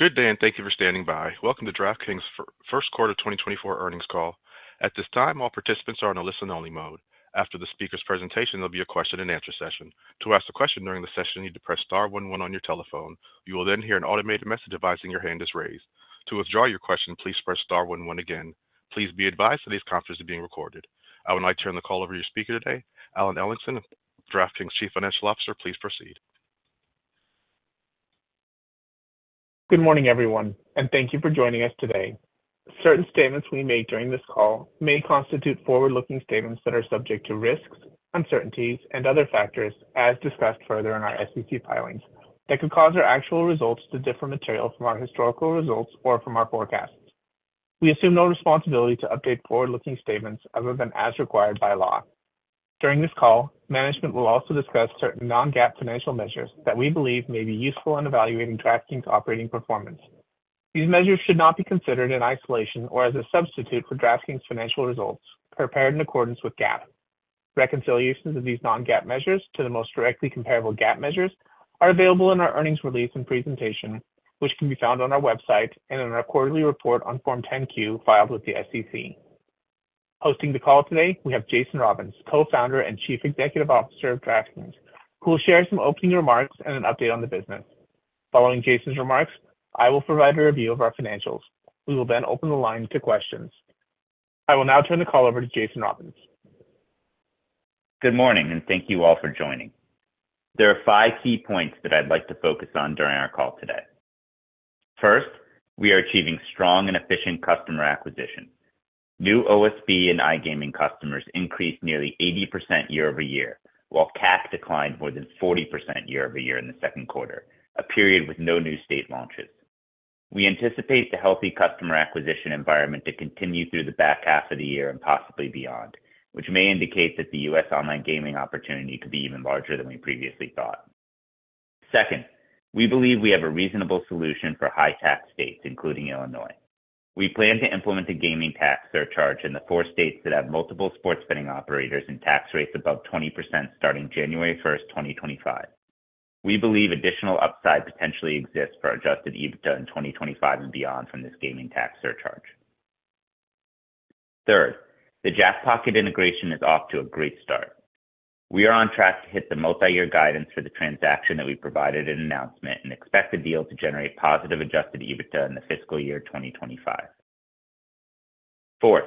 Good day, and thank you for standing by. Welcome to DraftKings First Quarter 2024 earnings call. At this time, all participants are on a listen-only mode. After the speaker's presentation, there'll be a question-and-answer session. To ask a question during the session, you need to press star one one on your telephone. You will then hear an automated message advising your hand is raised. To withdraw your question, please press star one one again. Please be advised that this conference is being recorded. I would now turn the call over to your speaker today, Alan Ellingson of DraftKings, Chief Financial Officer. Please proceed. Good morning, everyone, and thank you for joining us today. Certain statements we make during this call may constitute forward-looking statements that are subject to risks, uncertainties, and other factors, as discussed further in our SEC filings, that could cause our actual results to differ materially from our historical results or from our forecasts. We assume no responsibility to update forward-looking statements other than as required by law. During this call, management will also discuss certain non-GAAP financial measures that we believe may be useful in evaluating DraftKings' operating performance. These measures should not be considered in isolation or as a substitute for DraftKings' financial results prepared in accordance with GAAP. Reconciliations of these non-GAAP measures to the most directly comparable GAAP measures are available in our earnings release and presentation, which can be found on our website and in our quarterly report on Form 10-Q, filed with the SEC. Hosting the call today, we have Jason Robins, Co-founder and Chief Executive Officer of DraftKings, who will share some opening remarks and an update on the business. Following Jason's remarks, I will provide a review of our financials. We will then open the line to questions. I will now turn the call over to Jason Robins. Good morning, and thank you all for joining. There are five key points that I'd like to focus on during our call today. First, we are achieving strong and efficient customer acquisition. New OSB and iGaming customers increased nearly 80% year-over-year, while CAC declined more than 40% year-over-year in the second quarter, a period with no new state launches. We anticipate the healthy customer acquisition environment to continue through the back half of the year and possibly beyond, which may indicate that the U.S. online gaming opportunity could be even larger than we previously thought. Second, we believe we have a reasonable solution for high tax states, including Illinois. We plan to implement a gaming tax surcharge in the four states that have multiple sports betting operators and tax rates above 20% starting January 1, 2025. We believe additional upside potentially exists for Adjusted EBITDA in 2025 and beyond from this gaming tax surcharge. Third, the Jackpocket integration is off to a great start. We are on track to hit the multiyear guidance for the transaction that we provided in announcement and expect the deal to generate positive Adjusted EBITDA in the fiscal year 2025. Fourth,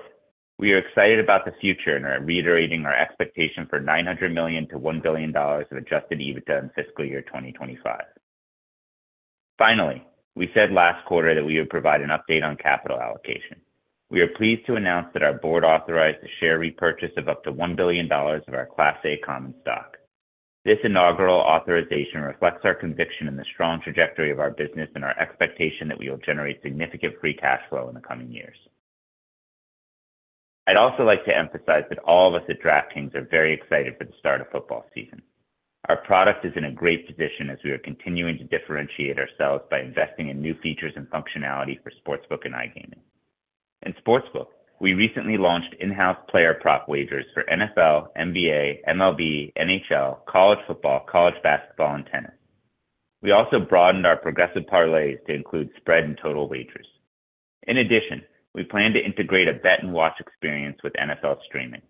we are excited about the future and are reiterating our expectation for $900 million-$1 billion of Adjusted EBITDA in fiscal year 2025. Finally, we said last quarter that we would provide an update on capital allocation. We are pleased to announce that our board authorized a share repurchase of up to $1 billion of our Class A common stock. This inaugural authorization reflects our conviction in the strong trajectory of our business and our expectation that we will generate significant free cash flow in the coming years. I'd also like to emphasize that all of us at DraftKings are very excited for the start of football season. Our product is in a great position as we are continuing to differentiate ourselves by investing in new features and functionality for Sportsbook and iGaming. In Sportsbook, we recently launched in-house player prop wagers for NFL, NBA, MLB, NHL, college football, college basketball, and tennis. We also broadened our progressive parlays to include spread and total wagers. In addition, we plan to integrate a Bet and Watch experience with NFL streaming.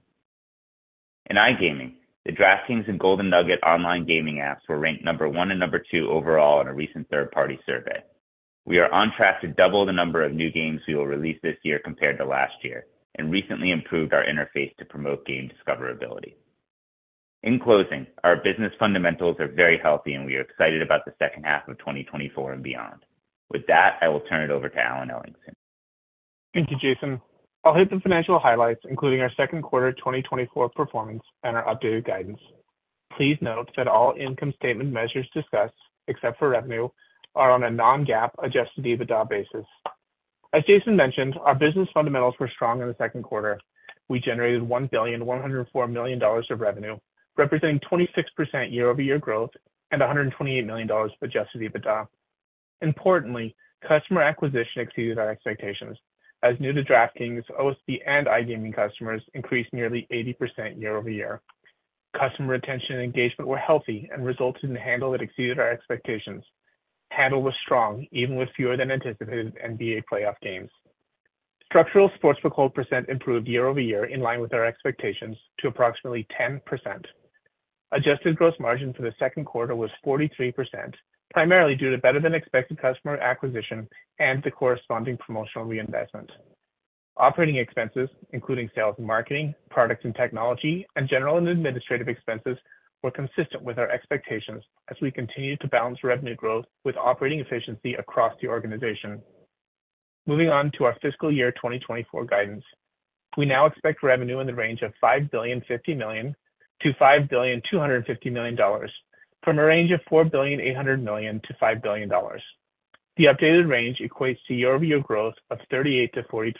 In iGaming, the DraftKings and Golden Nugget Online Gaming apps were ranked number 1 and number 2 overall in a recent third-party survey. We are on track to double the number of new games we will release this year compared to last year, and recently improved our interface to promote game discoverability. In closing, our business fundamentals are very healthy, and we are excited about the second half of 2024 and beyond. With that, I will turn it over to Alan Ellingson. Thank you, Jason. I'll hit the financial highlights, including our second quarter 2024 performance and our updated guidance. Please note that all income statement measures discussed, except for revenue, are on a non-GAAP adjusted EBITDA basis. As Jason mentioned, our business fundamentals were strong in the second quarter. We generated $1.104 billion of revenue, representing 26% year-over-year growth and $128 million of adjusted EBITDA. Importantly, customer acquisition exceeded our expectations, as new to DraftKings, OSB, and iGaming customers increased nearly 80% year-over-year. Customer retention and engagement were healthy and resulted in handle that exceeded our expectations. Handle was strong, even with fewer than anticipated NBA playoff games. Structural Sportsbook hold percent improved year-over-year, in line with our expectations, to approximately 10%. Adjusted Gross Margin for the second quarter was 43%, primarily due to better-than-expected customer acquisition and the corresponding promotional reinvestment. Operating expenses, including sales and marketing, product and technology, and general and administrative expenses, were consistent with our expectations as we continued to balance revenue growth with operating efficiency across the organization. Moving on to our fiscal year 2024 guidance. We now expect revenue in the range of $5.05 billion-$5.25 billion, from a range of $4.8 billion-$5 billion. The updated range equates to year-over-year growth of 38%-43%.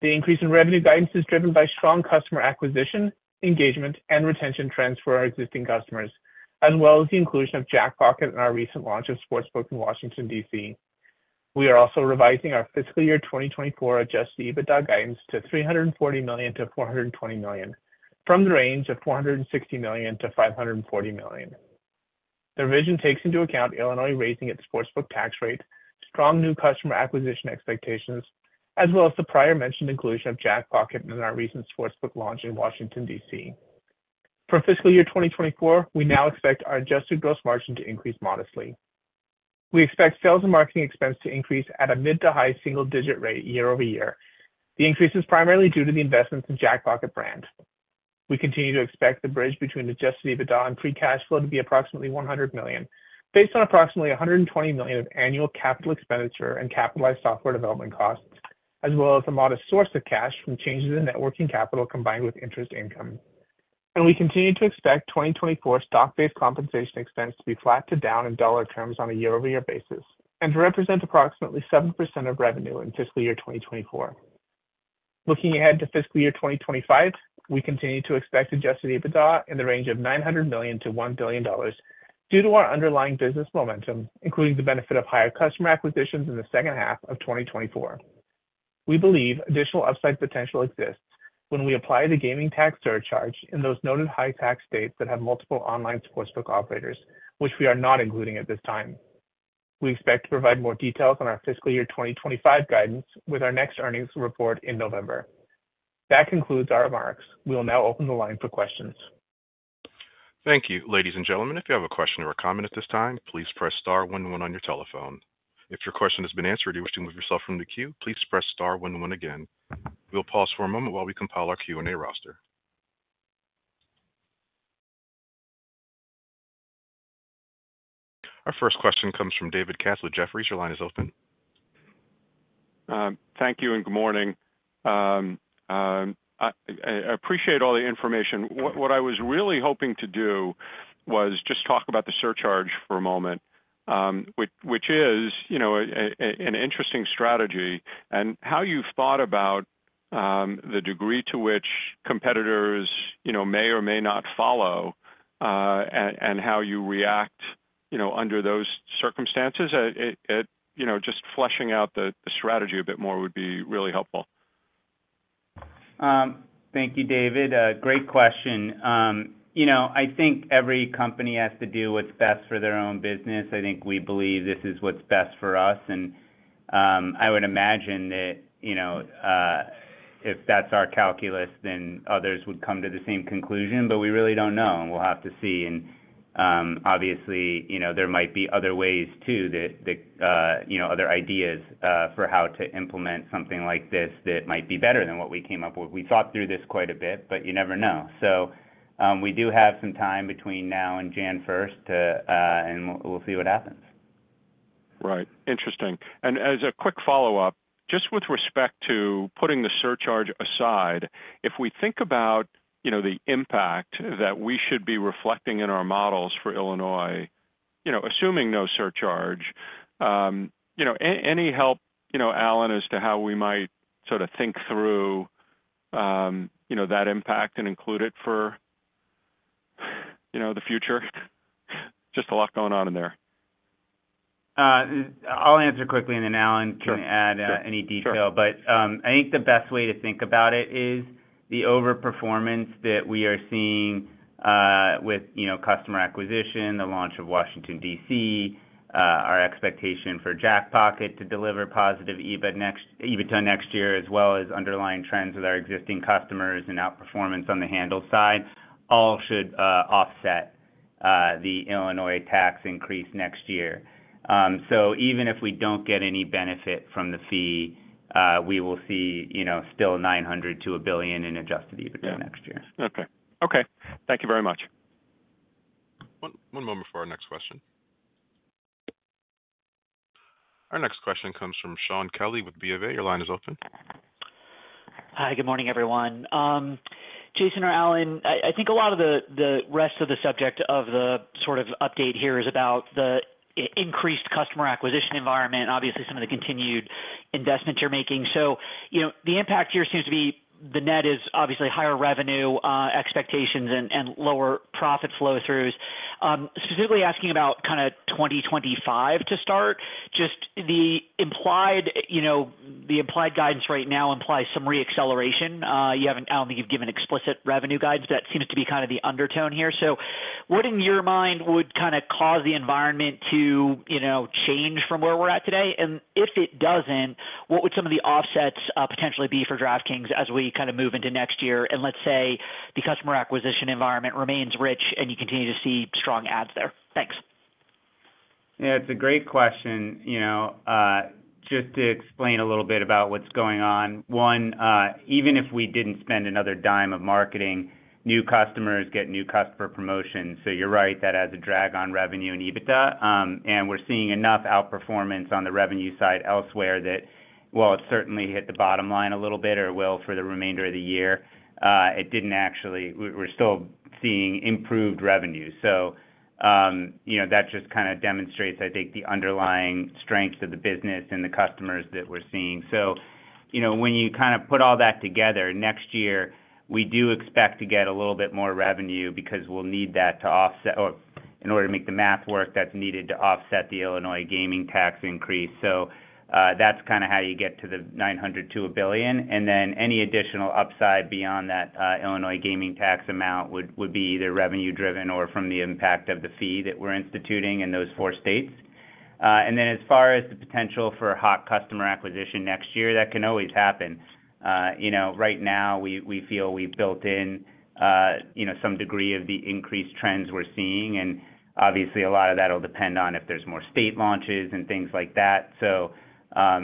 The increase in revenue guidance is driven by strong customer acquisition, engagement, and retention trends for our existing customers, as well as the inclusion of Jackpocket and our recent launch of sportsbook in Washington, D.C. We are also revising our fiscal year 2024 Adjusted EBITDA guidance to $340 million-$420 million, from the range of $460 million-$540 million. The revision takes into account Illinois raising its sportsbook tax rate, strong new customer acquisition expectations, as well as the prior mentioned inclusion of Jackpocket in our recent sportsbook launch in Washington, D.C. For fiscal year 2024, we now expect our Adjusted Gross Margin to increase modestly. We expect sales and marketing expense to increase at a mid to high single digit rate year-over-year. The increase is primarily due to the investments in Jackpocket brand. We continue to expect the bridge between Adjusted EBITDA and free cash flow to be approximately $100 million, based on approximately $120 million of annual capital expenditure and capitalized software development costs, as well as a modest source of cash from changes in net working capital combined with interest income. We continue to expect 2024 stock-based compensation expense to be flat to down in dollar terms on a year-over-year basis and to represent approximately 7% of revenue in fiscal year 2024. Looking ahead to fiscal year 2025, we continue to expect Adjusted EBITDA in the range of $900 million-$1 billion due to our underlying business momentum, including the benefit of higher customer acquisitions in the second half of 2024. We believe additional upside potential exists when we apply the gaming tax surcharge in those noted high tax states that have multiple online sportsbook operators, which we are not including at this time. We expect to provide more details on our fiscal year 2025 guidance with our next earnings report in November. That concludes our remarks. We will now open the line for questions. Thank you. Ladies and gentlemen, if you have a question or a comment at this time, please press star one, one on your telephone. If your question has been answered, or you wish to move yourself from the queue, please press star one, one again. We'll pause for a moment while we compile our Q&A roster. Our first question comes from David Katz with Jefferies. Your line is open. Thank you, and good morning. I appreciate all the information. What I was really hoping to do was just talk about the surcharge for a moment, which is, you know, an interesting strategy and how you've thought about the degree to which competitors, you know, may or may not follow, and how you react, you know, under those circumstances. It, you know, just fleshing out the strategy a bit more would be really helpful. Thank you, David. Great question. You know, I think every company has to do what's best for their own business. I think we believe this is what's best for us, and I would imagine that, you know, if that's our calculus, then others would come to the same conclusion, but we really don't know, and we'll have to see. Obviously, you know, there might be other ways, too, that you know, other ideas for how to implement something like this that might be better than what we came up with. We thought through this quite a bit, but you never know. We do have some time between now and January first to and we'll see what happens. Right. Interesting. And as a quick follow-up, just with respect to putting the surcharge aside, if we think about, you know, the impact that we should be reflecting in our models for Illinois, you know, assuming no surcharge, any help, you know, Alan, as to how we might sort of think through, you know, that impact and include it for, you know, the future? Just a lot going on in there. I'll answer quickly, and then Alan- Sure. - can add any detail. Sure. But, I think the best way to think about it is the overperformance that we are seeing, with, you know, customer acquisition, the launch of Washington, D.C., our expectation for Jackpocket to deliver positive EBIT next, EBITDA next year, as well as underlying trends with our existing customers and outperformance on the handle side, all should, offset, the Illinois tax increase next year. So even if we don't get any benefit from the fee, we will see, you know, still $900 million-$1 billion in adjusted EBITDA next year. Yeah. Okay. Okay, thank you very much. One moment before our next question. Our next question comes from Shaun Kelley with BofA. Your line is open. Hi, good morning, everyone. Jason or Alan, I think a lot of the rest of the subject of the sort of update here is about the increased customer acquisition environment, obviously, some of the continued investments you're making. So, you know, the impact here seems to be the net is obviously higher revenue expectations and lower profit flow throughs. Specifically asking about kind of 2025 to start, just the implied, you know, the implied guidance right now implies some re-acceleration. You haven't, I don't think you've given explicit revenue guides, but that seems to be kind of the undertone here. So what in your mind would kind of cause the environment to, you know, change from where we're at today? If it doesn't, what would some of the offsets potentially be for DraftKings as we kind of move into next year, and let's say, the customer acquisition environment remains rich, and you continue to see strong ads there? Thanks. Yeah, it's a great question. You know, just to explain a little bit about what's going on. One, even if we didn't spend another dime of marketing, new customers get new customer promotions, so you're right, that adds a drag on revenue and EBITDA. And we're seeing enough outperformance on the revenue side elsewhere that while it certainly hit the bottom line a little bit or will for the remainder of the year, it didn't actually... We're still seeing improved revenue. So, you know, that just kind of demonstrates, I think, the underlying strengths of the business and the customers that we're seeing. So,... You know, when you kind of put all that together, next year, we do expect to get a little bit more revenue because we'll need that to offset, or in order to make the math work that's needed to offset the Illinois gaming tax increase. So, that's kind of how you get to the $900 million-$1 billion, and then any additional upside beyond that, Illinois gaming tax amount would, would be either revenue-driven or from the impact of the fee that we're instituting in those four states. And then as far as the potential for higher customer acquisition next year, that can always happen. You know, right now, we, we feel we've built in, you know, some degree of the increased trends we're seeing, and obviously, a lot of that will depend on if there's more state launches and things like that. So,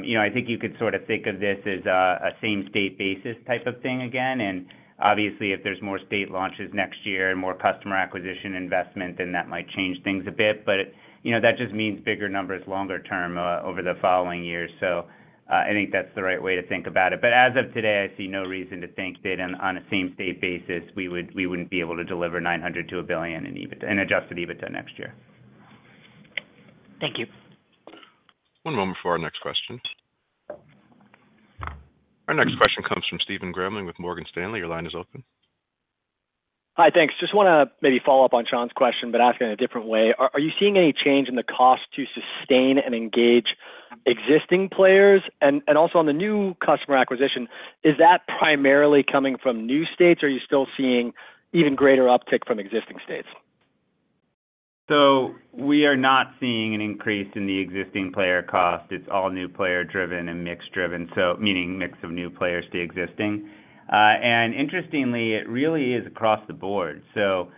you know, I think you could sort of think of this as a same state basis type of thing again, and obviously, if there's more state launches next year and more customer acquisition investment, then that might change things a bit. But, you know, that just means bigger numbers longer term, over the following years. So, I think that's the right way to think about it. But as of today, I see no reason to think that on a same state basis, we wouldn't be able to deliver $900 million-$1 billion in Adjusted EBITDA next year. Thank you. One moment for our next question. Our next question comes from Stephen Grambling with Morgan Stanley. Your line is open. Hi, thanks. Just want to maybe follow up on Shaun's question, but ask it in a different way. Are you seeing any change in the cost to sustain and engage existing players? And also on the new customer acquisition, is that primarily coming from new states, or are you still seeing even greater uptick from existing states? So we are not seeing an increase in the existing player cost. It's all new player-driven and mix-driven, so meaning mix of new players to existing. And interestingly, it really is across the board. So,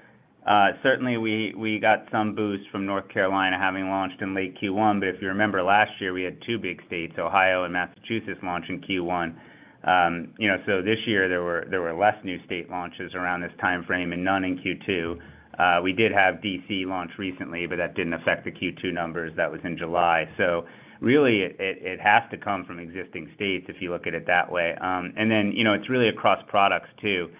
certainly we got some boost from North Carolina having launched in late Q1, but if you remember last year, we had two big states, Ohio and Massachusetts, launch in Q1. You know, so this year there were less new state launches around this timeframe and none in Q2. We did have D.C. launch recently, but that didn't affect the Q2 numbers. That was in July. So really, it has to come from existing states if you look at it that way. And then, you know, it's really across products, too.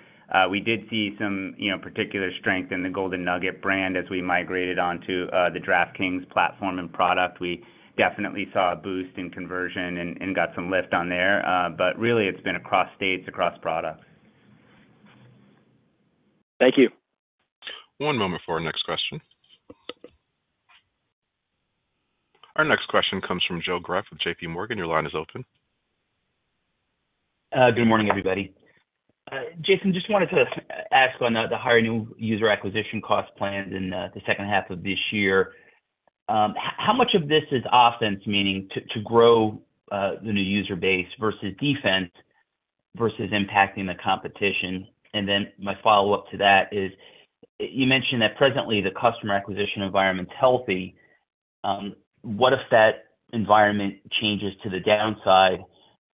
We did see some, you know, particular strength in the Golden Nugget brand as we migrated onto the DraftKings platform and product. We definitely saw a boost in conversion and, and got some lift on there, but really, it's been across states, across products. Thank you. One moment for our next question. Our next question comes from Joe Greff with J.P. Morgan. Your line is open. Good morning, everybody. Jason, just wanted to ask on the higher new user acquisition cost plans in the second half of this year. How much of this is offense, meaning to grow the new user base versus defense, versus impacting the competition? And then my follow-up to that is, you mentioned that presently, the customer acquisition environment's healthy. What if that environment changes to the downside?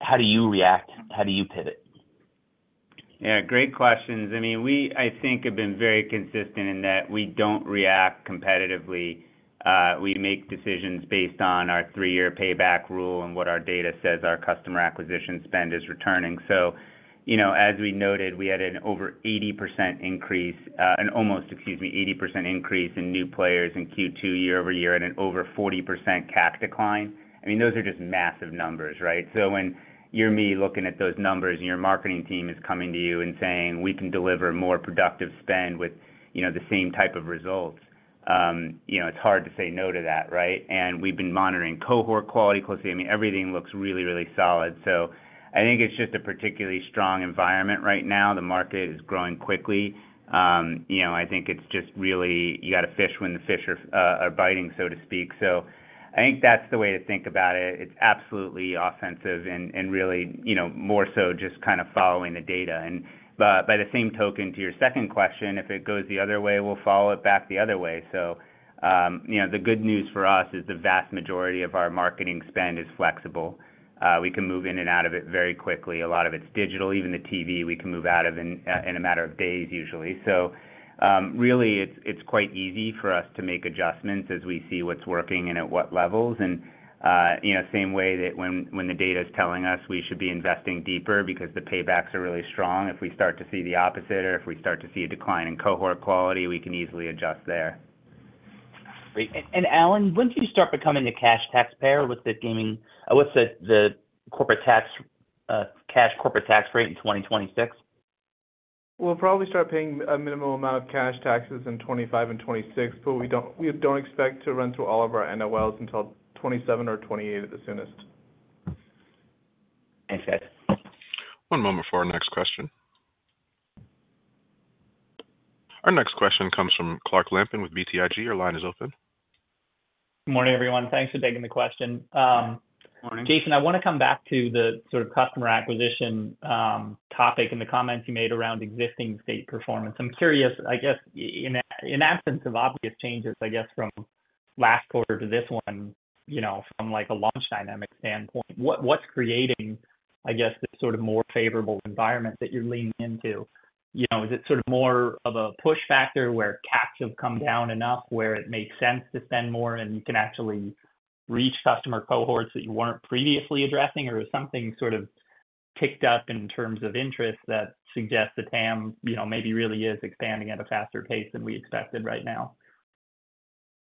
How do you react? How do you pivot? Yeah, great questions. I mean, we, I think, have been very consistent in that we don't react competitively. We make decisions based on our three-year payback rule and what our data says our customer acquisition spend is returning. So, you know, as we noted, we had an over 80% increase, an almost 80% increase in new players in Q2 year-over-year and an over 40% CAC decline. I mean, those are just massive numbers, right? So when you're me looking at those numbers, and your marketing team is coming to you and saying, "We can deliver more productive spend with, you know, the same type of results," you know, it's hard to say no to that, right? And we've been monitoring cohort quality closely. I mean, everything looks really, really solid. So I think it's just a particularly strong environment right now. The market is growing quickly. You know, I think it's just really, you got to fish when the fish are biting, so to speak. So I think that's the way to think about it. It's absolutely offensive and really, you know, more so just kind of following the data. But by the same token, to your second question, if it goes the other way, we'll follow it back the other way. So you know, the good news for us is the vast majority of our marketing spend is flexible. We can move in and out of it very quickly. A lot of it's digital. Even the TV, we can move out of in a matter of days, usually. So, really, it's quite easy for us to make adjustments as we see what's working and at what levels. And, you know, same way that when the data is telling us we should be investing deeper because the paybacks are really strong. If we start to see the opposite or if we start to see a decline in cohort quality, we can easily adjust there. Great. And Alan, wouldn't you start becoming a cash taxpayer with the corporate tax cash corporate tax rate in 2026? We'll probably start paying a minimal amount of cash taxes in 2025 and 2026, but we don't, we don't expect to run through all of our NOLs until 2027 or 2028 at the soonest. Thanks, guys. One moment for our next question. Our next question comes from Clark Lampen with BTIG. Your line is open. Good morning, everyone. Thanks for taking the question. Morning. Jason, I want to come back to the sort of customer acquisition topic and the comments you made around existing state performance. I'm curious, I guess, in absence of obvious changes, I guess from last quarter to this one, you know, from like a launch dynamic standpoint, what's creating, I guess, this sort of more favorable environment that you're leaning into? You know, is it sort of more of a push factor, where CapEx have come down enough where it makes sense to spend more, and you can actually reach customer cohorts that you weren't previously addressing, or is something sort of kicked up in terms of interest that suggests the TAM, you know, maybe really is expanding at a faster pace than we expected right now?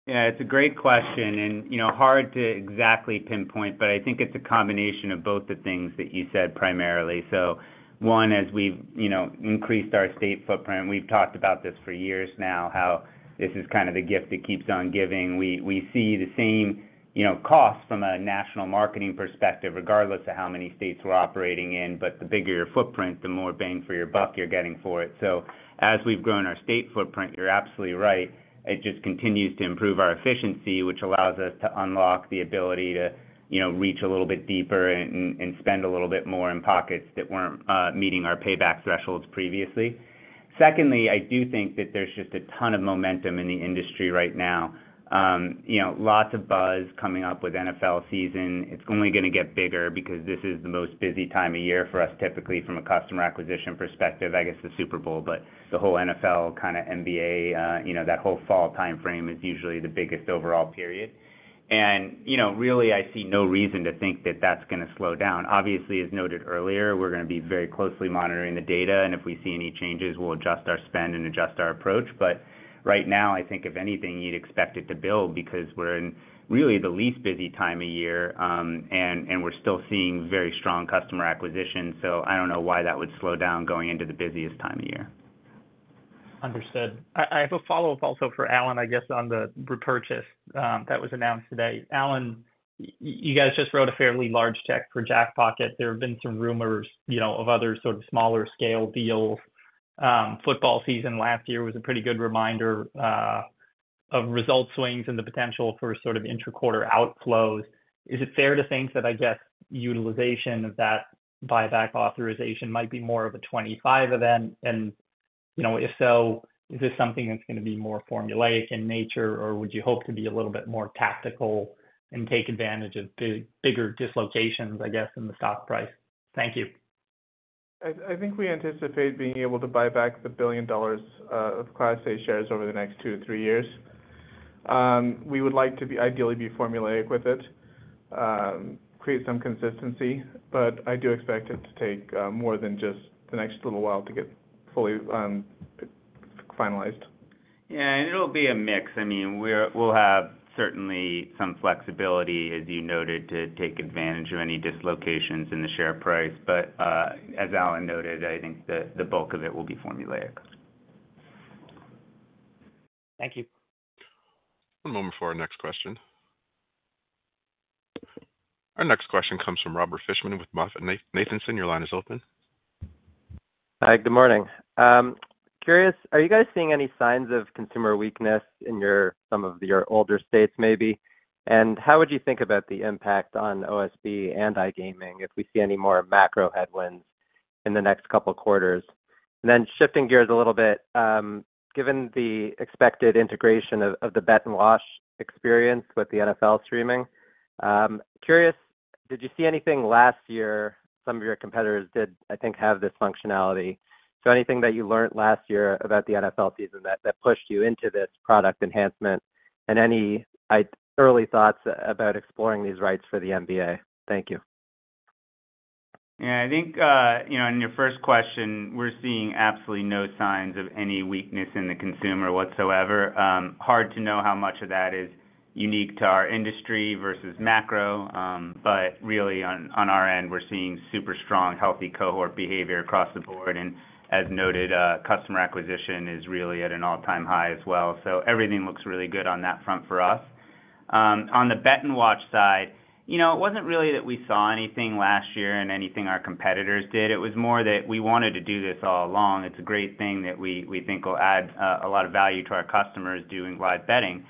Yeah, it's a great question, and, you know, hard to exactly pinpoint, but I think it's a combination of both the things that you said primarily. So one, as we've, you know, increased our state footprint, we've talked about this for years now, how this is kind of the gift that keeps on giving. We see the same, you know, cost from a national marketing perspective, regardless of how many states we're operating in. But the bigger your footprint, the more bang for your buck you're getting for it. So as we've grown our state footprint, you're absolutely right. It just continues to improve our efficiency, which allows us to unlock the ability to, you know, reach a little bit deeper and spend a little bit more in pockets that weren't meeting our payback thresholds previously. Secondly, I do think that there's just a ton of momentum in the industry right now. You know, lots of buzz coming up with NFL season. It's only going to get bigger because this is the most busy time of year for us, typically from a customer acquisition perspective, I guess, the Super Bowl, but the whole NFL, kind of NBA, you know, that whole fall timeframe is usually the biggest overall period. And, you know, really, I see no reason to think that that's going to slow down. Obviously, as noted earlier, we're going to be very closely monitoring the data, and if we see any changes, we'll adjust our spend and adjust our approach. But right now, I think if anything, you'd expect it to build because we're in really the least busy time of year, and, and we're still seeing very strong customer acquisition. I don't know why that would slow down going into the busiest time of year. Understood. I have a follow-up also for Alan, I guess, on the repurchase that was announced today. Alan, you guys just wrote a fairly large check for Jackpocket. There have been some rumors, you know, of other sort of smaller scale deals. Football season last year was a pretty good reminder of result swings and the potential for sort of inter-quarter outflows. Is it fair to think that, I guess, utilization of that buyback authorization might be more of a 2025 event? And, you know, if so, is this something that's going to be more formulaic in nature, or would you hope to be a little bit more tactical and take advantage of bigger dislocations, I guess, in the stock price? Thank you. I think we anticipate being able to buy back the $1 billion of Class A shares over the next 2-3 years. We would like to be, ideally, be formulaic with it, create some consistency, but I do expect it to take more than just the next little while to get fully finalized. Yeah, and it'll be a mix. I mean, we'll have certainly some flexibility, as you noted, to take advantage of any dislocations in the share price. But, as Alan noted, I think the bulk of it will be formulaic. Thank you. One moment for our next question. Our next question comes from Robert Fishman with MoffettNathanson. Your line is open. Hi, good morning. Curious, are you guys seeing any signs of consumer weakness in your, some of your older states, maybe? And how would you think about the impact on OSB and iGaming if we see any more macro headwinds in the next couple of quarters? And then shifting gears a little bit, given the expected integration of, of the Bet and Watch experience with the NFL streaming, curious, did you see anything last year? Some of your competitors did, I think, have this functionality. So anything that you learned last year about the NFL season that, that pushed you into this product enhancement, and any early thoughts about exploring these rights for the NBA? Thank you. Yeah, I think, you know, in your first question, we're seeing absolutely no signs of any weakness in the consumer whatsoever. Hard to know how much of that is unique to our industry versus macro, but really, on our end, we're seeing super strong, healthy cohort behavior across the board. And as noted, customer acquisition is really at an all-time high as well. So everything looks really good on that front for us. On the Bet and Watch side, you know, it wasn't really that we saw anything last year and anything our competitors did. It was more that we wanted to do this all along. It's a great thing that we think will add a lot of value to our customers doing live betting.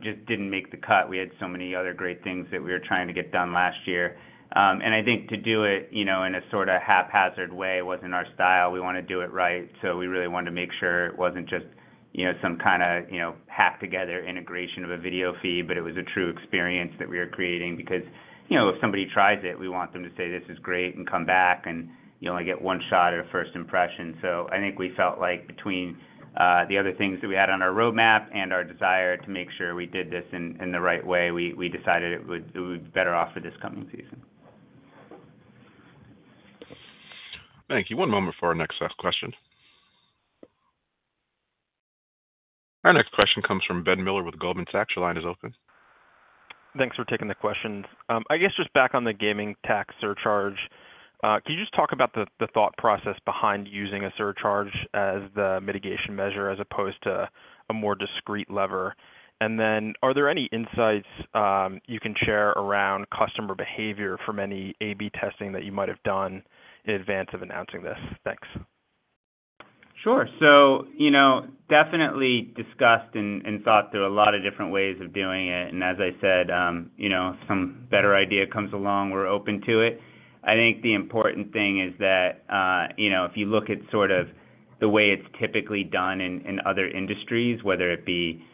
Just didn't make the cut. We had so many other great things that we were trying to get done last year. And I think to do it, you know, in a sort of haphazard way wasn't our style. We want to do it right, so we really wanted to make sure it wasn't just, you know, some kind of, you know, hacked together integration of a video feed, but it was a true experience that we were creating because, you know, if somebody tries it, we want them to say, "This is great," and come back, and you only get one shot at a first impression. So I think we felt like between the other things that we had on our roadmap and our desire to make sure we did this in the right way, we decided it would be better off for this coming season. Thank you. One moment for our next question. Our next question comes from Ben Miller with Goldman Sachs. Your line is open. Thanks for taking the question. I guess just back on the gaming tax surcharge, can you just talk about the thought process behind using a surcharge as the mitigation measure as opposed to a more discrete lever? And then are there any insights, you can share around customer behavior from any A/B testing that you might have done in advance of announcing this? Thanks. Sure. So, you know, definitely discussed and thought through a lot of different ways of doing it. And as I said, you know, if some better idea comes along, we're open to it. I think the important thing is that, you know, if you look at sort of the way it's typically done in other industries, whether it be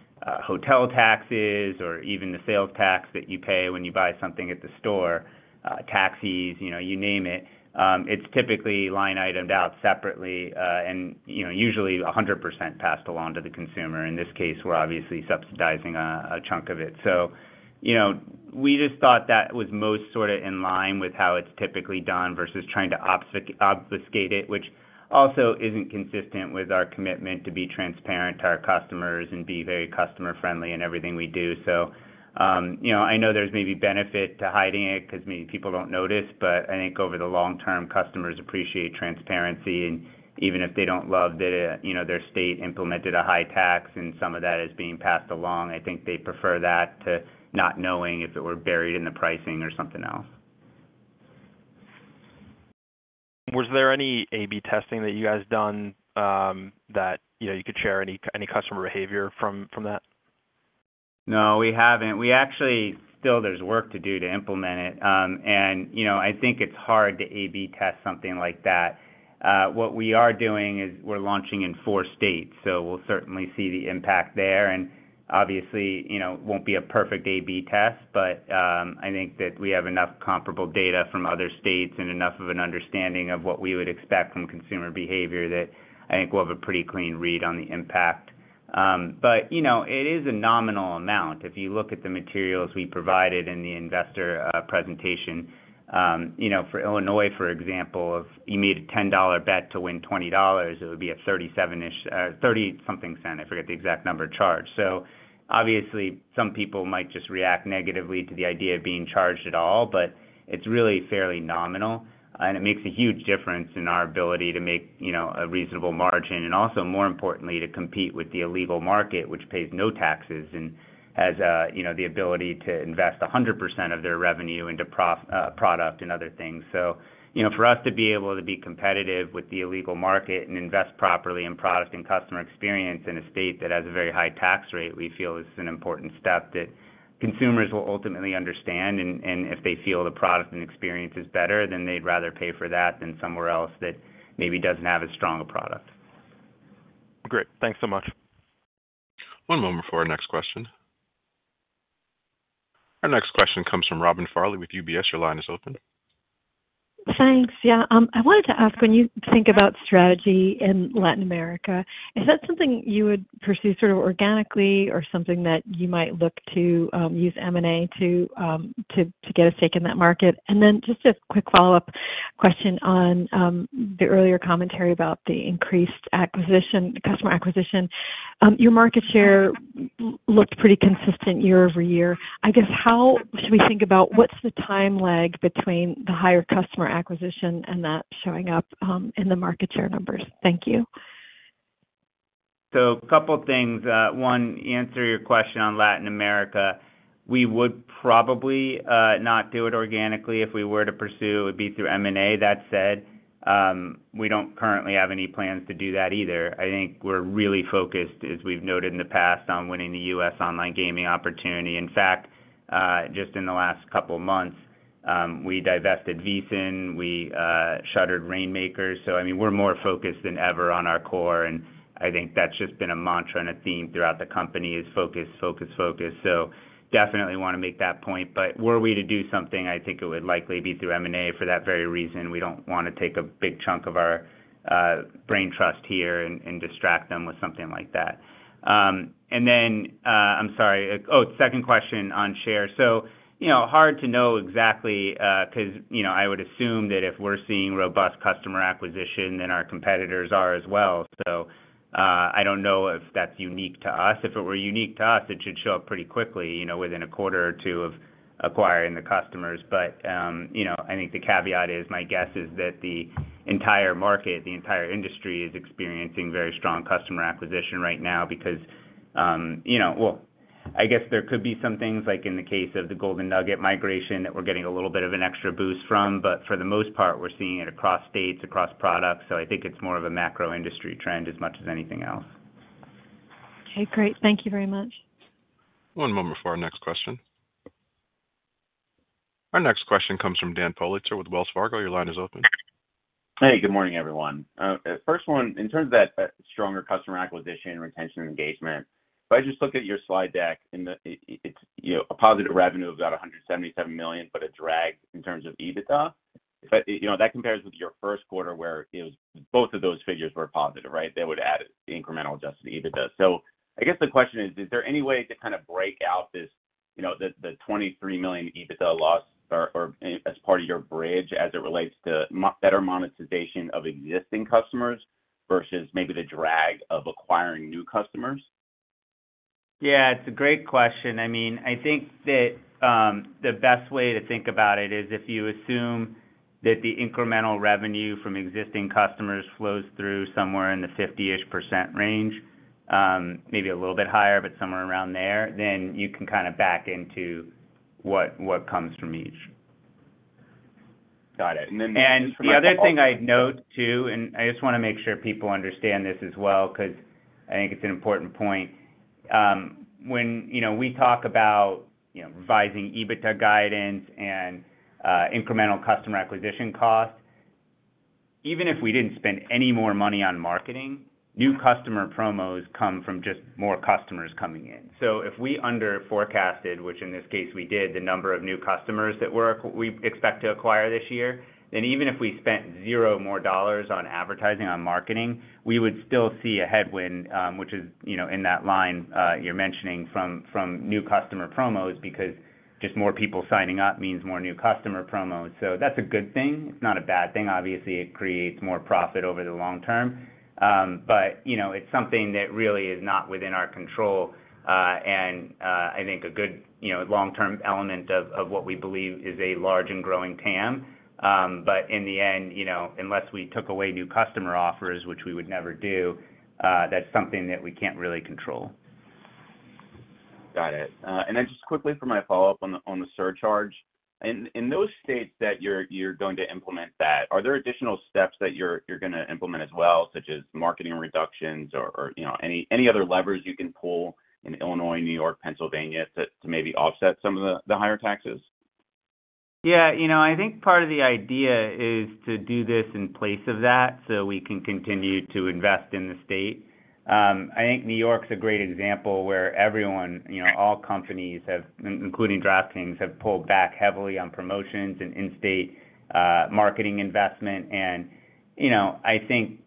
hotel taxes or even the sales tax that you pay when you buy something at the store, taxis, you know, you name it, it's typically line-itemed out separately, and, you know, usually a hundred percent passed along to the consumer. In this case, we're obviously subsidizing a chunk of it. So, you know, we just thought that was most sort of in line with how it's typically done versus trying to obfuscate it, which also isn't consistent with our commitment to be transparent to our customers and be very customer-friendly in everything we do. So, you know, I know there's maybe benefit to hiding it because maybe people don't notice, but I think over the long term, customers appreciate transparency, and even if they don't love that, you know, their state implemented a high tax and some of that is being passed along, I think they prefer that to not knowing if it were buried in the pricing or something else. Was there any A/B testing that you guys done, that you know you could share any customer behavior from that? No, we haven't. We actually still, there's work to do to implement it. And, you know, I think it's hard to A/B test something like that. What we are doing is we're launching in 4 states, so we'll certainly see the impact there. And obviously, you know, it won't be a perfect A/B test, but, I think that we have enough comparable data from other states and enough of an understanding of what we would expect from consumer behavior, that I think we'll have a pretty clean read on the impact. But, you know, it is a nominal amount. If you look at the materials we provided in the investor presentation, you know, for Illinois, for example, if you made a $10 bet to win $20, it would be a 37-ish, 30-something cent, I forget the exact number, charge. So obviously, some people might just react negatively to the idea of being charged at all, but it's really fairly nominal, and it makes a huge difference in our ability to make, you know, a reasonable margin, and also, more importantly, to compete with the illegal market, which pays no taxes and has, you know, the ability to invest 100% of their revenue into product and other things. So, you know, for us to be able to be competitive with the illegal market and invest properly in product and customer experience in a state that has a very high tax rate, we feel is an important step that consumers will ultimately understand, and, and if they feel the product and experience is better, then they'd rather pay for that than somewhere else that maybe doesn't have as strong a product. Great. Thanks so much. One moment before our next question. Our next question comes from Robin Farley with UBS. Your line is open. Thanks. Yeah, I wanted to ask, when you think about strategy in Latin America, is that something you would pursue sort of organically or something that you might look to use M&A to get a stake in that market? And then just a quick follow-up question on the earlier commentary about the increased acquisition, customer acquisition. Your market share looked pretty consistent year-over-year. I guess, how should we think about what's the time lag between the higher customer acquisition and that showing up in the market share numbers? Thank you. So a couple things. One, answer your question on Latin America. We would probably not do it organically. If we were to pursue, it would be through M&A. That said, we don't currently have any plans to do that either. I think we're really focused, as we've noted in the past, on winning the U.S. online gaming opportunity. In fact, just in the last couple of months, we divested VSiN, we shuttered Reignmakers. So, I mean, we're more focused than ever on our core, and I think that's just been a mantra and a theme throughout the company is focus, focus, focus. So definitely want to make that point. But were we to do something, I think it would likely be through M&A for that very reason. We don't want to take a big chunk of our brain trust here and distract them with something like that. And then, I'm sorry. Oh, second question on share. So, you know, hard to know exactly, 'cause, you know, I would assume that if we're seeing robust customer acquisition, then our competitors are as well. So, I don't know if that's unique to us. If it were unique to us, it should show up pretty quickly, you know, within a quarter or two of acquiring the customers. But, you know, I think the caveat is, my guess is that the entire market, the entire industry, is experiencing very strong customer acquisition right now because, you know... Well, I guess there could be some things, like in the case of the Golden Nugget migration, that we're getting a little bit of an extra boost from. But for the most part, we're seeing it across states, across products, so I think it's more of a macro industry trend as much as anything else. Okay, great. Thank you very much. One moment before our next question. Our next question comes from Dan Politzer with Wells Fargo. Your line is open. Hey, good morning, everyone. First one, in terms of that stronger customer acquisition, retention, and engagement, if I just look at your slide deck, in it, it's, you know, a positive revenue of about $177 million, but a drag in terms of EBITDA. But, you know, that compares with your first quarter, where it was, both of those figures were positive, right? They would add incremental adjusted EBITDA. So I guess the question is: Is there any way to kind of break out this, you know, the $23 million EBITDA loss or as part of your bridge as it relates to better monetization of existing customers versus maybe the drag of acquiring new customers? Yeah, it's a great question. I mean, I think that the best way to think about it is if you assume that the incremental revenue from existing customers flows through somewhere in the 50%-ish range, maybe a little bit higher, but somewhere around there, then you can kind of back into what comes from each. Got it, and then- The other thing I'd note, too, and I just want to make sure people understand this as well, because I think it's an important point. When you know we talk about you know revising EBITDA guidance and incremental customer acquisition costs, even if we didn't spend any more money on marketing, new customer promos come from just more customers coming in. So if we underforecasted, which in this case we did, the number of new customers that we expect to acquire this year, then even if we spent $0 more dollars on advertising, on marketing, we would still see a headwind, which is you know in that line you're mentioning from new customer promos, because just more people signing up means more new customer promos. So that's a good thing, it's not a bad thing. Obviously, it creates more profit over the long term. But, you know, it's something that really is not within our control, and I think a good, you know, long-term element of what we believe is a large and growing TAM. But in the end, you know, unless we took away new customer offers, which we would never do, that's something that we can't really control. Got it. And then just quickly for my follow-up on the surcharge. In those states that you're gonna implement that, are there additional steps that you're gonna implement as well, such as marketing reductions or, you know, any other levers you can pull in Illinois, New York, Pennsylvania, to maybe offset some of the higher taxes? Yeah, you know, I think part of the idea is to do this in place of that, so we can continue to invest in the state. I think New York's a great example where everyone, you know, all companies have, including DraftKings, have pulled back heavily on promotions and in-state marketing investment. And, you know, I think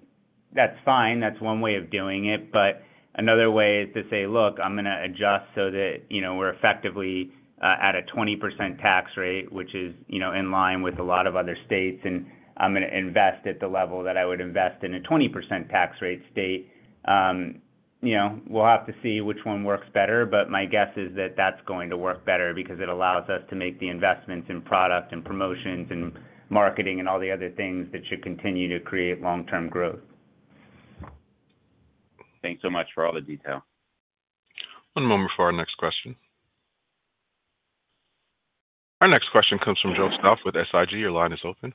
that's fine, that's one way of doing it, but another way is to say, "Look, I'm gonna adjust so that, you know, we're effectively at a 20% tax rate, which is, you know, in line with a lot of other states, and I'm gonna invest at the level that I would invest in a 20% tax rate state." You know, we'll have to see which one works better, but my guess is that that's going to work better because it allows us to make the investments in product and promotions and marketing, and all the other things that should continue to create long-term growth. Thanks so much for all the detail. One moment for our next question. Our next question comes from Joseph Stauff with SIG. Your line is open.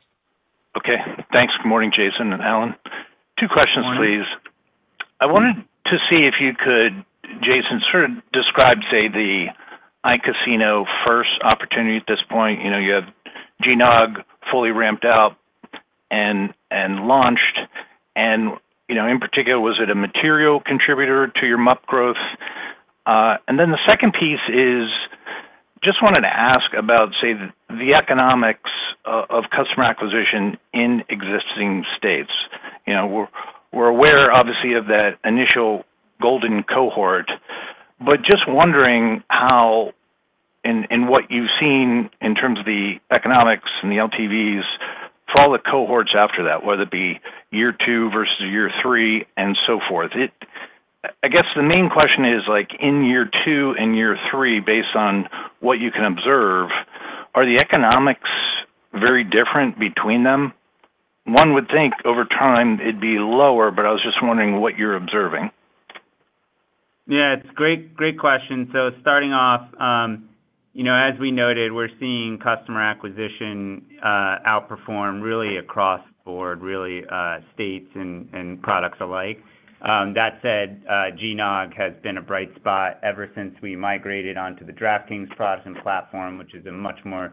Okay. Thanks. Good morning, Jason and Alan. Two questions, please. I wanted to see if you could, Jason, sort of describe, say, the iCasino first opportunity at this point. You know, you have GNOG fully ramped up and launched, and, you know, in particular, was it a material contributor to your MUP growth? And then the second piece is, just wanted to ask about, say, the economics of customer acquisition in existing states. You know, we're aware, obviously, of that initial golden cohort, but just wondering how and what you've seen in terms of the economics and the LTVs for all the cohorts after that, whether it be year two versus year three, and so forth. I guess the main question is, like, in year two and year three, based on what you can observe, are the economics very different between them? One would think over time it'd be lower, but I was just wondering what you're observing. Yeah, it's great, great question. So starting off, you know, as we noted, we're seeing customer acquisition outperform really across the board, really, states and products alike. That said, GNOG has been a bright spot ever since we migrated onto the DraftKings product and platform, which is a much more,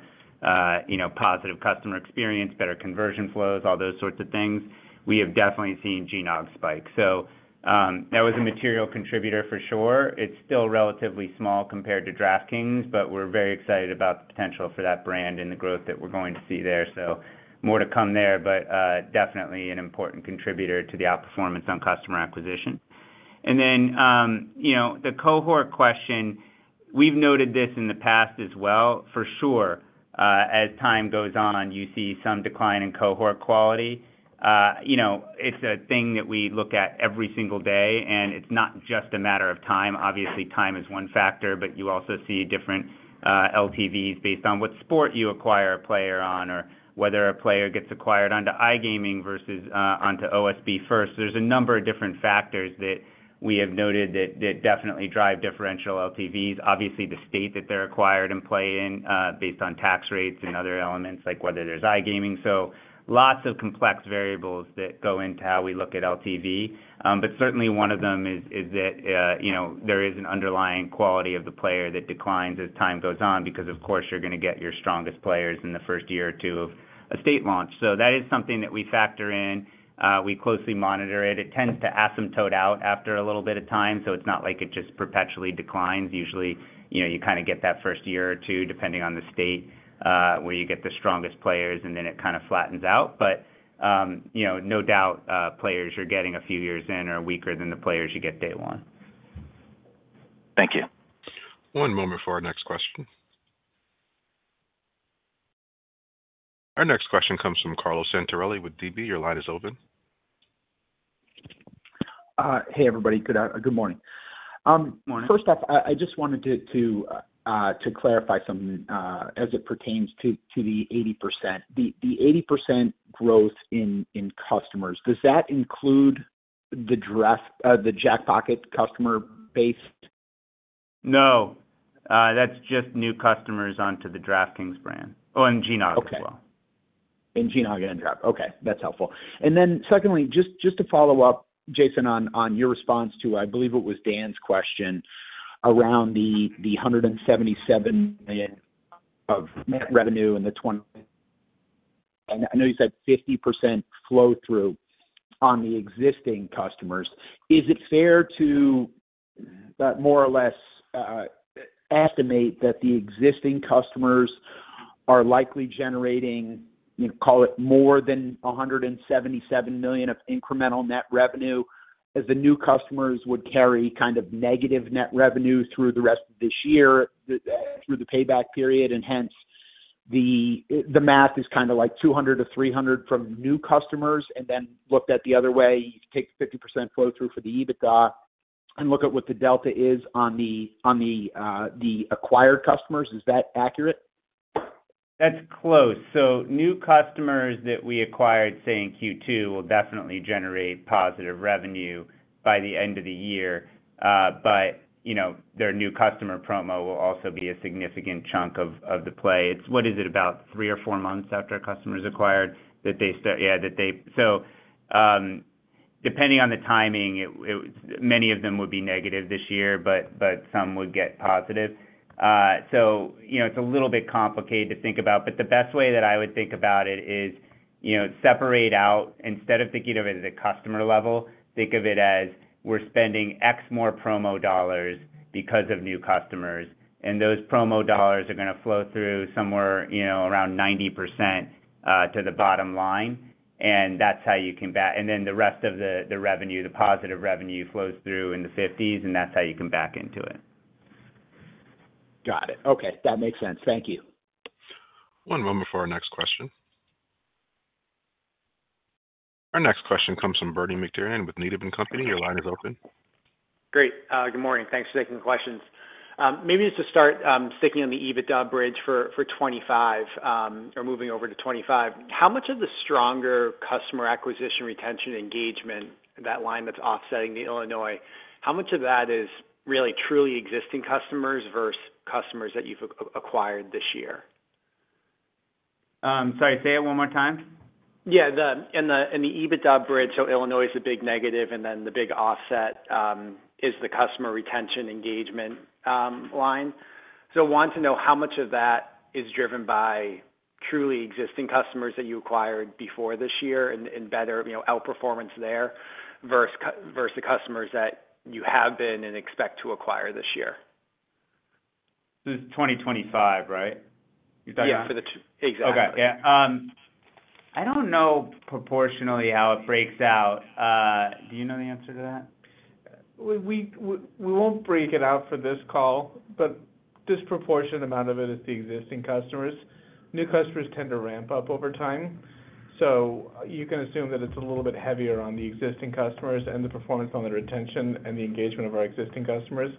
you know, positive customer experience, better conversion flows, all those sorts of things. We have definitely seen GNOG spike. So that was a material contributor for sure. It's still relatively small compared to DraftKings, but we're very excited about the potential for that brand and the growth that we're going to see there. So more to come there, but definitely an important contributor to the outperformance on customer acquisition. And then, you know, the cohort question, we've noted this in the past as well. For sure, as time goes on, you see some decline in cohort quality. You know, it's a thing that we look at every single day, and it's not just a matter of time. Obviously, time is one factor, but you also see different LTVs based on what sport you acquire a player on, or whether a player gets acquired onto iGaming versus onto OSB first. There's a number of different factors that we have noted that definitely drive differential LTVs. Obviously, the state that they're acquired and play in, based on tax rates and other elements, like whether there's iGaming. So lots of complex variables that go into how we look at LTV. But certainly one of them is that, you know, there is an underlying quality of the player that declines as time goes on, because, of course, you're gonna get your strongest players in the first year or two of a state launch. So that is something that we factor in. We closely monitor it. It tends to asymptote out after a little bit of time, so it's not like it just perpetually declines. Usually, you know, you kind of get that first year or two, depending on the state, where you get the strongest players, and then it kind of flattens out. But, you know, no doubt, players you're getting a few years in are weaker than the players you get day one. Thank you. One moment for our next question. Our next question comes from Carlo Santarelli with DB. Your line is open. Hey, everybody. Good, good morning. Morning. First off, I just wanted to clarify something as it pertains to the 80%. The 80% growth in customers, does that include the Jackpocket customer base? No. That's just new customers onto the DraftKings brand, oh, and GNOG as well. Okay. And GNOG and Draft okay, that's helpful. And then secondly, just, just to follow up, Jason, on, on your response to, I believe it was Dan's question, around the, the $177 million of net revenue and the 20... And I know you said 50% flow-through on the existing customers. Is it fair to more or less estimate that the existing customers are likely generating, you know, call it more than $177 million of incremental net revenue, as the new customers would carry kind of negative net revenue through the rest of this year, through the payback period, and hence, the math is kind of like $200 million-$300 million from new customers, and then looked at the other way, you take the 50% flow-through for the EBITDA and look at what the delta is on the, on the acquired customers. Is that accurate? That's close. So new customers that we acquired, say, in Q2, will definitely generate positive revenue by the end of the year. But, you know, their new customer promo will also be a significant chunk of the play. About three or four months after a customer's acquired that they start. So, depending on the timing, many of them would be negative this year, but some would get positive. So, you know, it's a little bit complicated to think about, but the best way that I would think about it is, you know, separate out, instead of thinking of it as a customer level, think of it as we're spending X more promo dollars because of new customers, and those promo dollars are gonna flow through somewhere, you know, around 90%, to the bottom line, and that's how you combat. And then the rest of the revenue, the positive revenue, flows through in the 50s, and that's how you can back into it. Got it. Okay, that makes sense. Thank you. One moment before our next question. Our next question comes from Bernie McTernan with Needham & Company. Your line is open. Great. Good morning. Thanks for taking the questions. Maybe just to start, sticking on the EBITDA bridge for 2025, or moving over to 2025. How much of the stronger customer acquisition, retention, engagement, that line that's offsetting the Illinois, how much of that is really truly existing customers versus customers that you've acquired this year? Sorry, say it one more time? Yeah, in the EBITDA bridge, so Illinois is a big negative, and then the big offset is the customer retention engagement line. So I want to know how much of that is driven by truly existing customers that you acquired before this year and better, you know, outperformance there, versus the customers that you have been and expect to acquire this year. This is 2025, right? You talking about- Yeah, for the. Exactly. Okay. Yeah. I don't know proportionally how it breaks out. Do you know the answer to that? We won't break it out for this call, but disproportionate amount of it is the existing customers. New customers tend to ramp up over time. So you can assume that it's a little bit heavier on the existing customers and the performance on the retention and the engagement of our existing customers,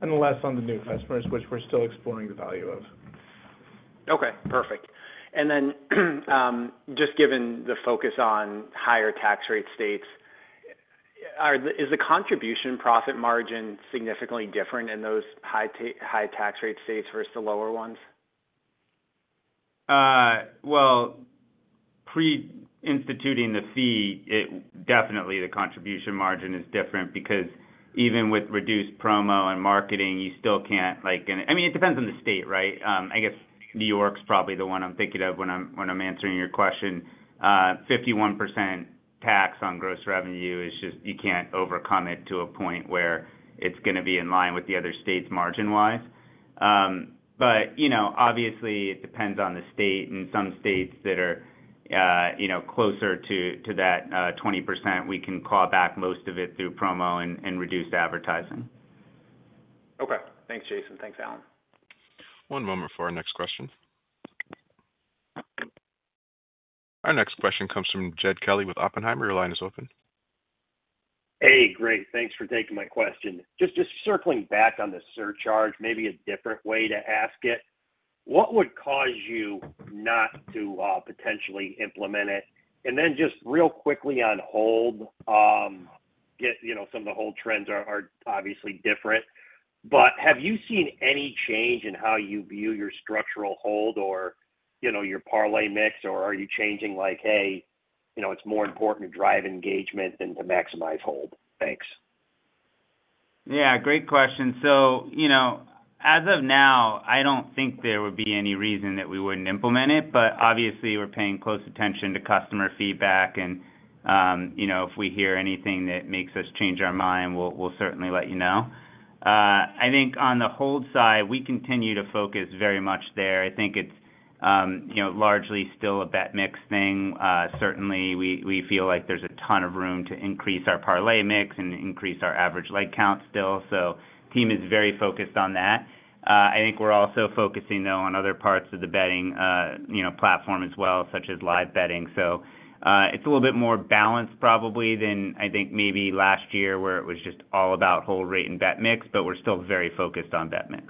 and less on the new customers, which we're still exploring the value of. Okay, perfect. And then, just given the focus on higher tax rate states, is the contribution profit margin significantly different in those high tax rate states versus the lower ones? Well, pre-instituting the fee, it definitely the contribution margin is different because even with reduced promo and marketing, you still can't. I mean, it depends on the state, right? I guess New York's probably the one I'm thinking of when I'm answering your question. 51% tax on gross revenue is just, you can't overcome it to a point where it's gonna be in line with the other states, margin-wise. You know, obviously, it depends on the state. In some states that are, you know, closer to that 20%, we can claw back most of it through promo and reduced advertising. Okay. Thanks, Jason. Thanks, Alan. One moment for our next question. Our next question comes from Jed Kelly with Oppenheimer. Your line is open. Hey, great. Thanks for taking my question. Just, just circling back on the surcharge, maybe a different way to ask it: What would cause you not to potentially implement it? And then just real quickly on hold, you know, some of the hold trends are obviously different, but have you seen any change in how you view your structural hold or, you know, your parlay mix, or are you changing like, hey, you know, it's more important to drive engagement than to maximize hold? Thanks. Yeah, great question. So, you know, as of now, I don't think there would be any reason that we wouldn't implement it, but obviously, we're paying close attention to customer feedback, and, you know, if we hear anything that makes us change our mind, we'll certainly let you know. I think on the hold side, we continue to focus very much there. I think it's, you know, largely still a bet mix thing. Certainly, we feel like there's a ton of room to increase our parlay mix and increase our average leg count still. So the team is very focused on that. I think we're also focusing, though, on other parts of the betting, you know, platform as well, such as live betting. So, it's a little bit more balanced probably than I think maybe last year, where it was just all about hold rate and bet mix, but we're still very focused on bet mix.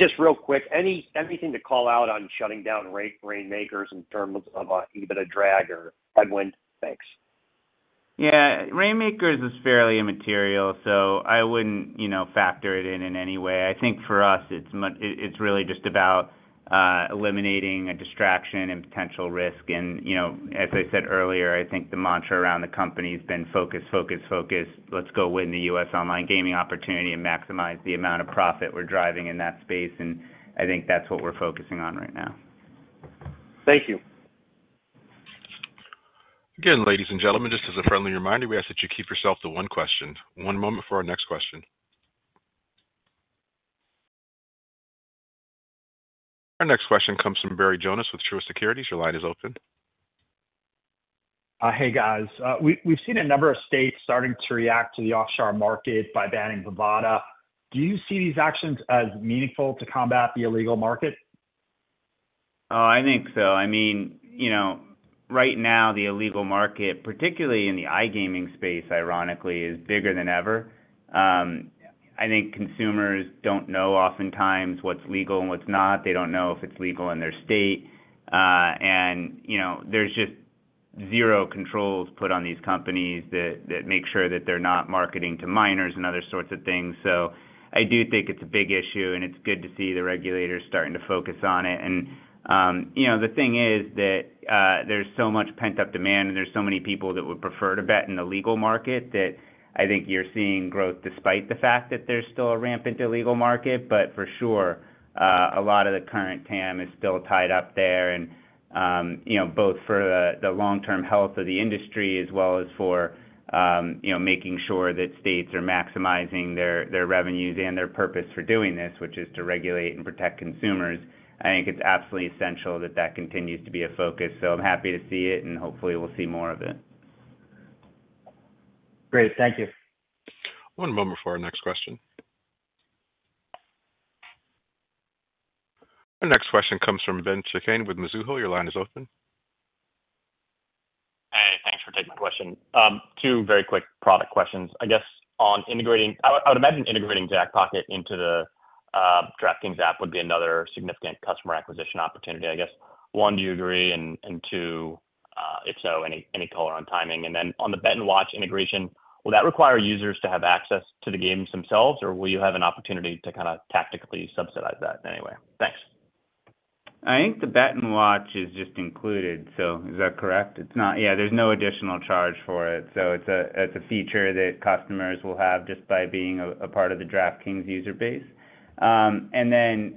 Just real quick, anything to call out on shutting down Reignmakers in terms of even a drag or headwind? Thanks. Yeah, Reignmakers is fairly immaterial, so I wouldn't, you know, factor it in in any way. I think for us, it's really just about eliminating a distraction and potential risk. And, you know, as I said earlier, I think the mantra around the company has been focus, focus, focus. Let's go win the U.S. online gaming opportunity and maximize the amount of profit we're driving in that space, and I think that's what we're focusing on right now. Thank you. Again, ladies and gentlemen, just as a friendly reminder, we ask that you keep yourself to one question. One moment for our next question. Our next question comes from Barry Jonas with Truist Securities. Your line is open. Hey, guys. We've seen a number of states starting to react to the offshore market by banning Bovada. Do you see these actions as meaningful to combat the illegal market?... Oh, I think so. I mean, you know, right now, the illegal market, particularly in the iGaming space, ironically, is bigger than ever. I think consumers don't know oftentimes what's legal and what's not. They don't know if it's legal in their state. And, you know, there's just zero controls put on these companies that make sure that they're not marketing to minors and other sorts of things. So I do think it's a big issue, and it's good to see the regulators starting to focus on it. And, you know, the thing is that, there's so much pent-up demand, and there's so many people that would prefer to bet in the legal market, that I think you're seeing growth despite the fact that there's still a rampant illegal market. But for sure, a lot of the current TAM is still tied up there. And, you know, both for the long-term health of the industry as well as for, you know, making sure that states are maximizing their revenues and their purpose for doing this, which is to regulate and protect consumers. I think it's absolutely essential that that continues to be a focus. So I'm happy to see it, and hopefully, we'll see more of it. Great. Thank you. One moment before our next question. Our next question comes from Vince Ciepiel with Mizuho. Your line is open. Hey, thanks for taking my question. Two very quick product questions. I guess, on integrating, I would imagine integrating Jackpocket into the DraftKings app would be another significant customer acquisition opportunity. I guess, one, do you agree? And two, if so, any color on timing? And then on the Bet and Watch integration, will that require users to have access to the games themselves, or will you have an opportunity to kinda tactically subsidize that in any way? Thanks. I think the Bet and Watch is just included, so... Is that correct? It's not. Yeah, there's no additional charge for it, so it's a, it's a feature that customers will have just by being a, a part of the DraftKings user base. And then...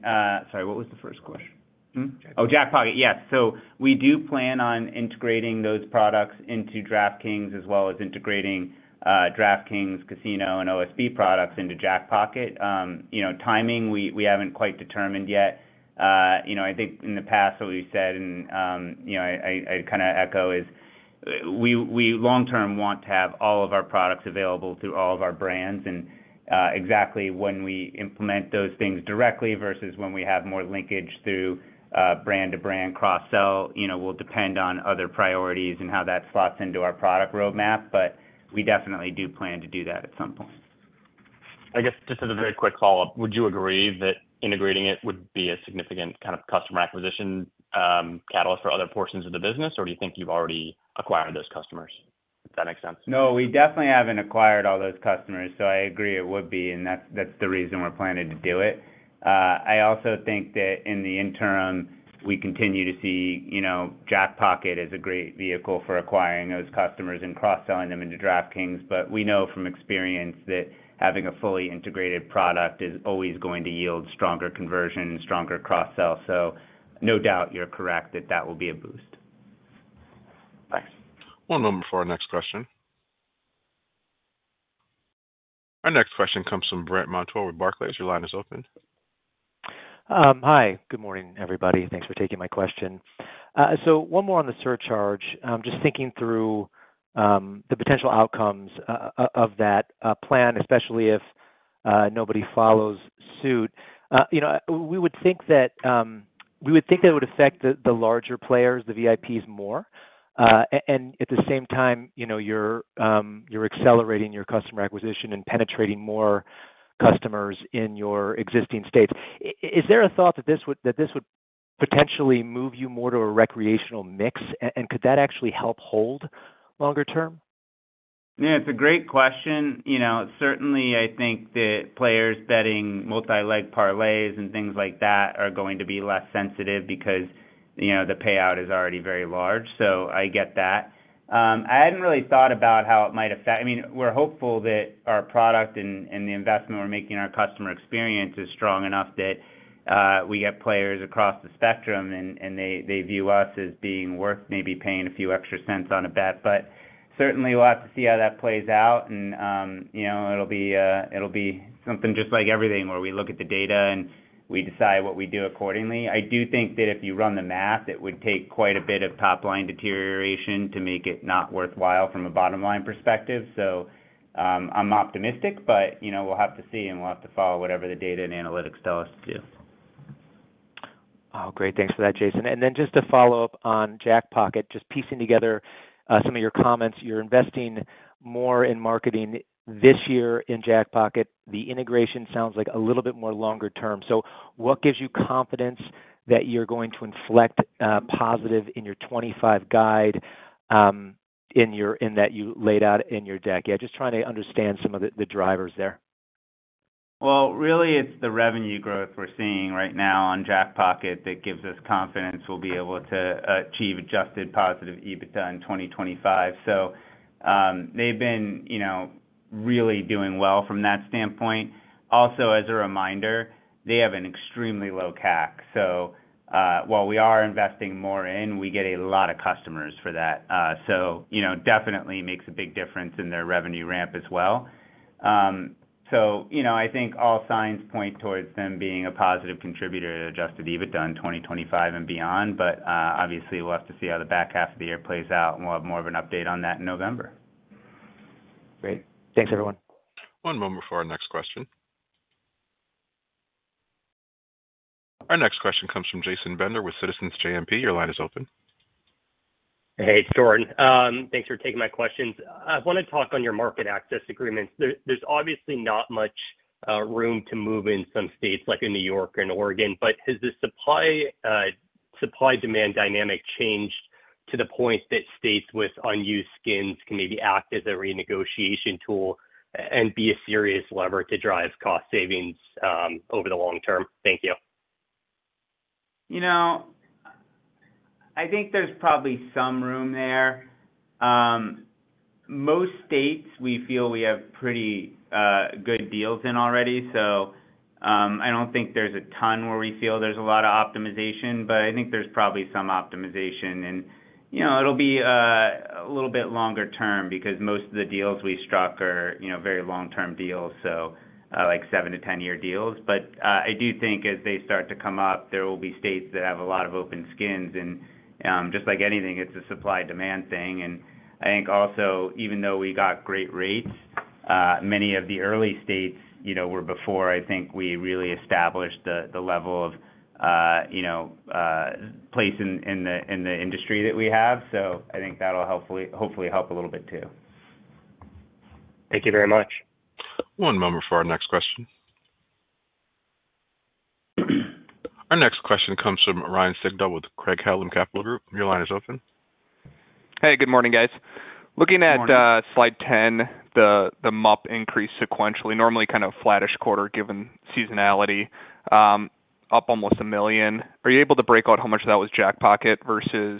Sorry, what was the first question? Jackpocket. Oh, Jackpocket. Yes. So we do plan on integrating those products into DraftKings, as well as integrating DraftKings Casino and OSB products into Jackpocket. You know, timing, we haven't quite determined yet. You know, I think in the past, what we've said, and you know, I kinda echo, is we long term want to have all of our products available to all of our brands. And exactly when we implement those things directly versus when we have more linkage through brand-to-brand cross-sell, you know, will depend on other priorities and how that slots into our product roadmap, but we definitely do plan to do that at some point. I guess, just as a very quick follow-up, would you agree that integrating it would be a significant kind of customer acquisition catalyst for other portions of the business? Or do you think you've already acquired those customers? Does that make sense? No, we definitely haven't acquired all those customers, so I agree it would be, and that's, that's the reason we're planning to do it. I also think that in the interim, we continue to see, you know, Jackpocket as a great vehicle for acquiring those customers and cross-selling them into DraftKings. But we know from experience that having a fully integrated product is always going to yield stronger conversion and stronger cross-sell. So no doubt, you're correct that that will be a boost. Thanks. One moment before our next question. Our next question comes from Brandt Montour with Barclays. Your line is open. Hi, good morning, everybody. Thanks for taking my question. So one more on the surcharge. Just thinking through the potential outcomes of that plan, especially if nobody follows suit. You know, we would think that it would affect the larger players, the VIPs, more. And at the same time, you know, you're accelerating your customer acquisition and penetrating more customers in your existing states. Is there a thought that this would potentially move you more to a recreational mix? And could that actually help hold longer term? Yeah, it's a great question. You know, certainly, I think that players betting multi-leg parlays and things like that are going to be less sensitive because, you know, the payout is already very large, so I get that. I hadn't really thought about how it might affect—I mean, we're hopeful that our product and the investment we're making in our customer experience is strong enough that we get players across the spectrum, and they view us as being worth maybe paying a few extra cents on a bet. But certainly, we'll have to see how that plays out. And, you know, it'll be something just like everything, where we look at the data, and we decide what we do accordingly. I do think that if you run the math, it would take quite a bit of top-line deterioration to make it not worthwhile from a bottom-line perspective. So, I'm optimistic, but, you know, we'll have to see, and we'll have to follow whatever the data and analytics tell us to do. Oh, great. Thanks for that, Jason. And then just to follow up on Jackpocket, just piecing together some of your comments. You're investing more in marketing this year in Jackpocket. The integration sounds like a little bit more longer term. So what gives you confidence that you're going to inflect positive in your '25 guide, in that you laid out in your deck? Yeah, just trying to understand some of the drivers there. Well, really, it's the revenue growth we're seeing right now on Jackpocket that gives us confidence we'll be able to achieve adjusted positive EBITDA in 2025. So, they've been, you know, really doing well from that standpoint. Also, as a reminder, they have an extremely low CAC. So, while we are investing more in, we get a lot of customers for that. So, you know, definitely makes a big difference in their revenue ramp as well. So, you know, I think all signs point towards them being a positive contributor to adjusted EBITDA in 2025 and beyond. But, obviously, we'll have to see how the back half of the year plays out, and we'll have more of an update on that in November. Great. Thanks, everyone. One moment before our next question. Our next question comes from Jordan Bender with Citizens JMP. Your line is open. Hey, Jordan. Thanks for taking my questions. I want to talk on your market access agreements. There, there's obviously not much room to move in some states, like in New York and Oregon, but has the supply-demand dynamic changed to the point that states with unused skins can maybe act as a renegotiation tool and be a serious lever to drive cost savings over the long term? Thank you. You know, I think there's probably some room there. Most states, we feel we have pretty good deals in already. So, I don't think there's a ton where we feel there's a lot of optimization, but I think there's probably some optimization. And, you know, it'll be a little bit longer term, because most of the deals we struck are, you know, very long-term deals, so, like 7-10-year deals. But, I do think as they start to come up, there will be states that have a lot of open skins, and, just like anything, it's a supply-demand thing. And I think also, even though we got great rates, many of the early states, you know, were before I think we really established the level of, you know, place in the industry that we have. I think that'll hopefully, hopefully help a little bit, too. Thank you very much. One moment for our next question. Our next question comes from Ryan Sigdahl with Craig-Hallum Capital Group. Your line is open. Hey, good morning, guys. Good morning. Looking at slide 10, the MUP increased sequentially, normally kind of flattish quarter, given seasonality, up almost a million. Are you able to break out how much of that was Jackpocket versus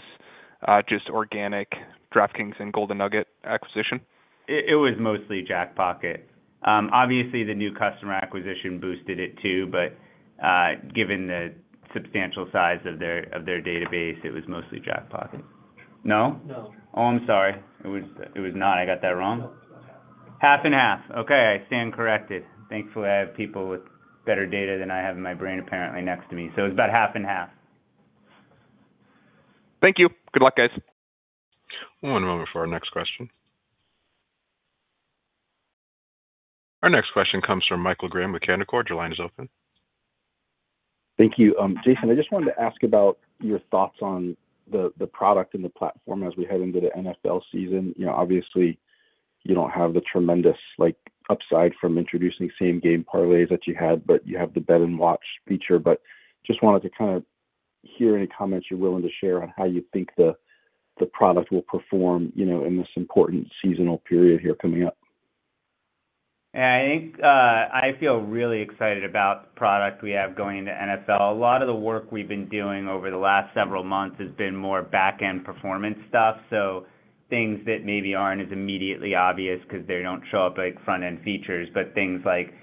just organic DraftKings and Golden Nugget acquisition? It was mostly Jackpocket. Obviously, the new customer acquisition boosted it, too, but, given the substantial size of their database, it was mostly Jackpocket. No? No. Oh, I'm sorry. It was not, I got that wrong? No, it was about half. Half and half. Okay, I stand corrected. Thankfully, I have people with better data than I have in my brain, apparently, next to me. So it's about half and half. Thank you. Good luck, guys. One moment for our next question. Our next question comes from Michael Graham with Canaccord Genuity. Your line is open. Thank you. Jason, I just wanted to ask about your thoughts on the product and the platform as we head into the NFL season. You know, obviously, you don't have the tremendous, like, upside from introducing same-game parlays that you had, but you have the Bet and Watch feature. But just wanted to kind of hear any comments you're willing to share on how you think the product will perform, you know, in this important seasonal period here coming up. Yeah, I think, I feel really excited about the product we have going into NFL. A lot of the work we've been doing over the last several months has been more back-end performance stuff, so things that maybe aren't as immediately obvious because they don't show up like front-end features, but things like,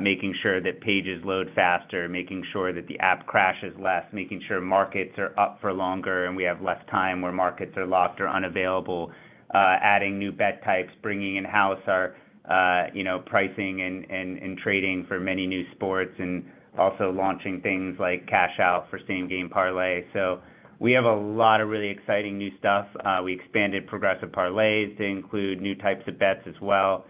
making sure that pages load faster, making sure that the app crashes less, making sure markets are up for longer, and we have less time where markets are locked or unavailable, adding new bet types, bringing in-house our, you know, pricing and trading for many new sports, and also launching things like cash out for same-game parlay. So we have a lot of really exciting new stuff. We expanded progressive parlays to include new types of bets as well.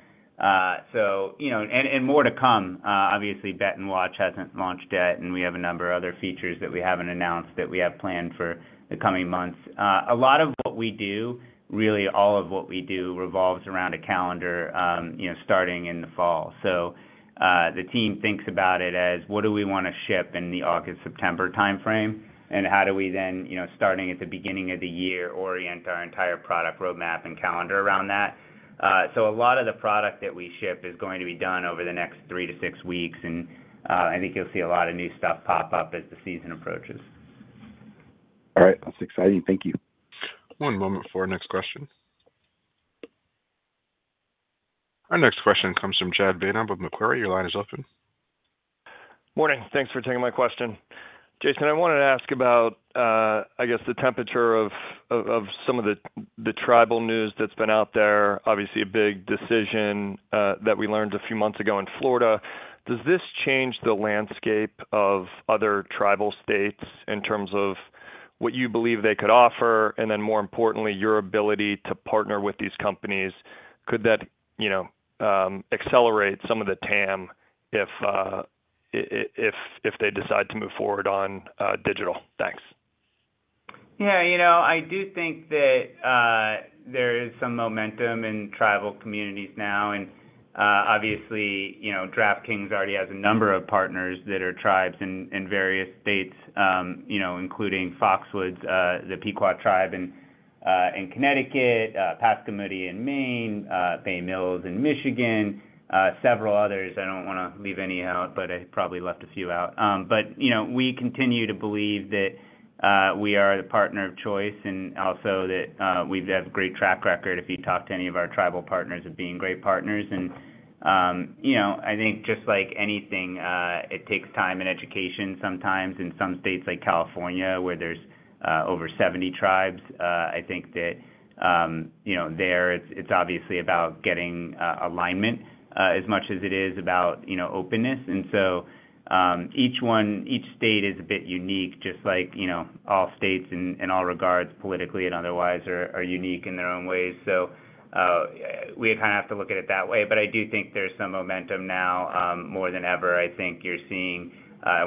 So, you know, and more to come. Obviously, Bet and Watch hasn't launched yet, and we have a number of other features that we haven't announced that we have planned for the coming months. A lot of what we do, really all of what we do, revolves around a calendar, you know, starting in the fall. So, the team thinks about it as, what do we wanna ship in the August-September timeframe? And how do we then, you know, starting at the beginning of the year, orient our entire product roadmap and calendar around that? So, a lot of the product that we ship is going to be done over the next 3-6 weeks, and I think you'll see a lot of new stuff pop up as the season approaches. All right. That's exciting. Thank you. One moment for our next question. Our next question comes from Chad Beynon of Macquarie. Your line is open. Morning. Thanks for taking my question. Jason, I wanted to ask about, I guess, the temperature of some of the tribal news that's been out there. Obviously, a big decision that we learned a few months ago in Florida. Does this change the landscape of other tribal states in terms of what you believe they could offer, and then, more importantly, your ability to partner with these companies? Could that, you know, accelerate some of the TAM if they decide to move forward on digital? Thanks. Yeah, you know, I do think that there is some momentum in tribal communities now, and obviously, you know, DraftKings already has a number of partners that are tribes in various states, you know, including Foxwoods, the Pequot tribe in Connecticut, Passamaquoddy in Maine, Bay Mills in Michigan, several others. I don't wanna leave any out, but I probably left a few out. But you know, we continue to believe that we are the partner of choice and also that we've got a great track record, if you talk to any of our tribal partners of being great partners. And you know, I think just like anything, it takes time and education sometimes. In some states, like California, where there's over 70 tribes, I think that, you know, it's obviously about getting alignment, as much as it is about, you know, openness. And so, each state is a bit unique, just like, you know, all states in all regards, politically and otherwise, are unique in their own ways. So, we kind of have to look at it that way, but I do think there's some momentum now. More than ever, I think you're seeing,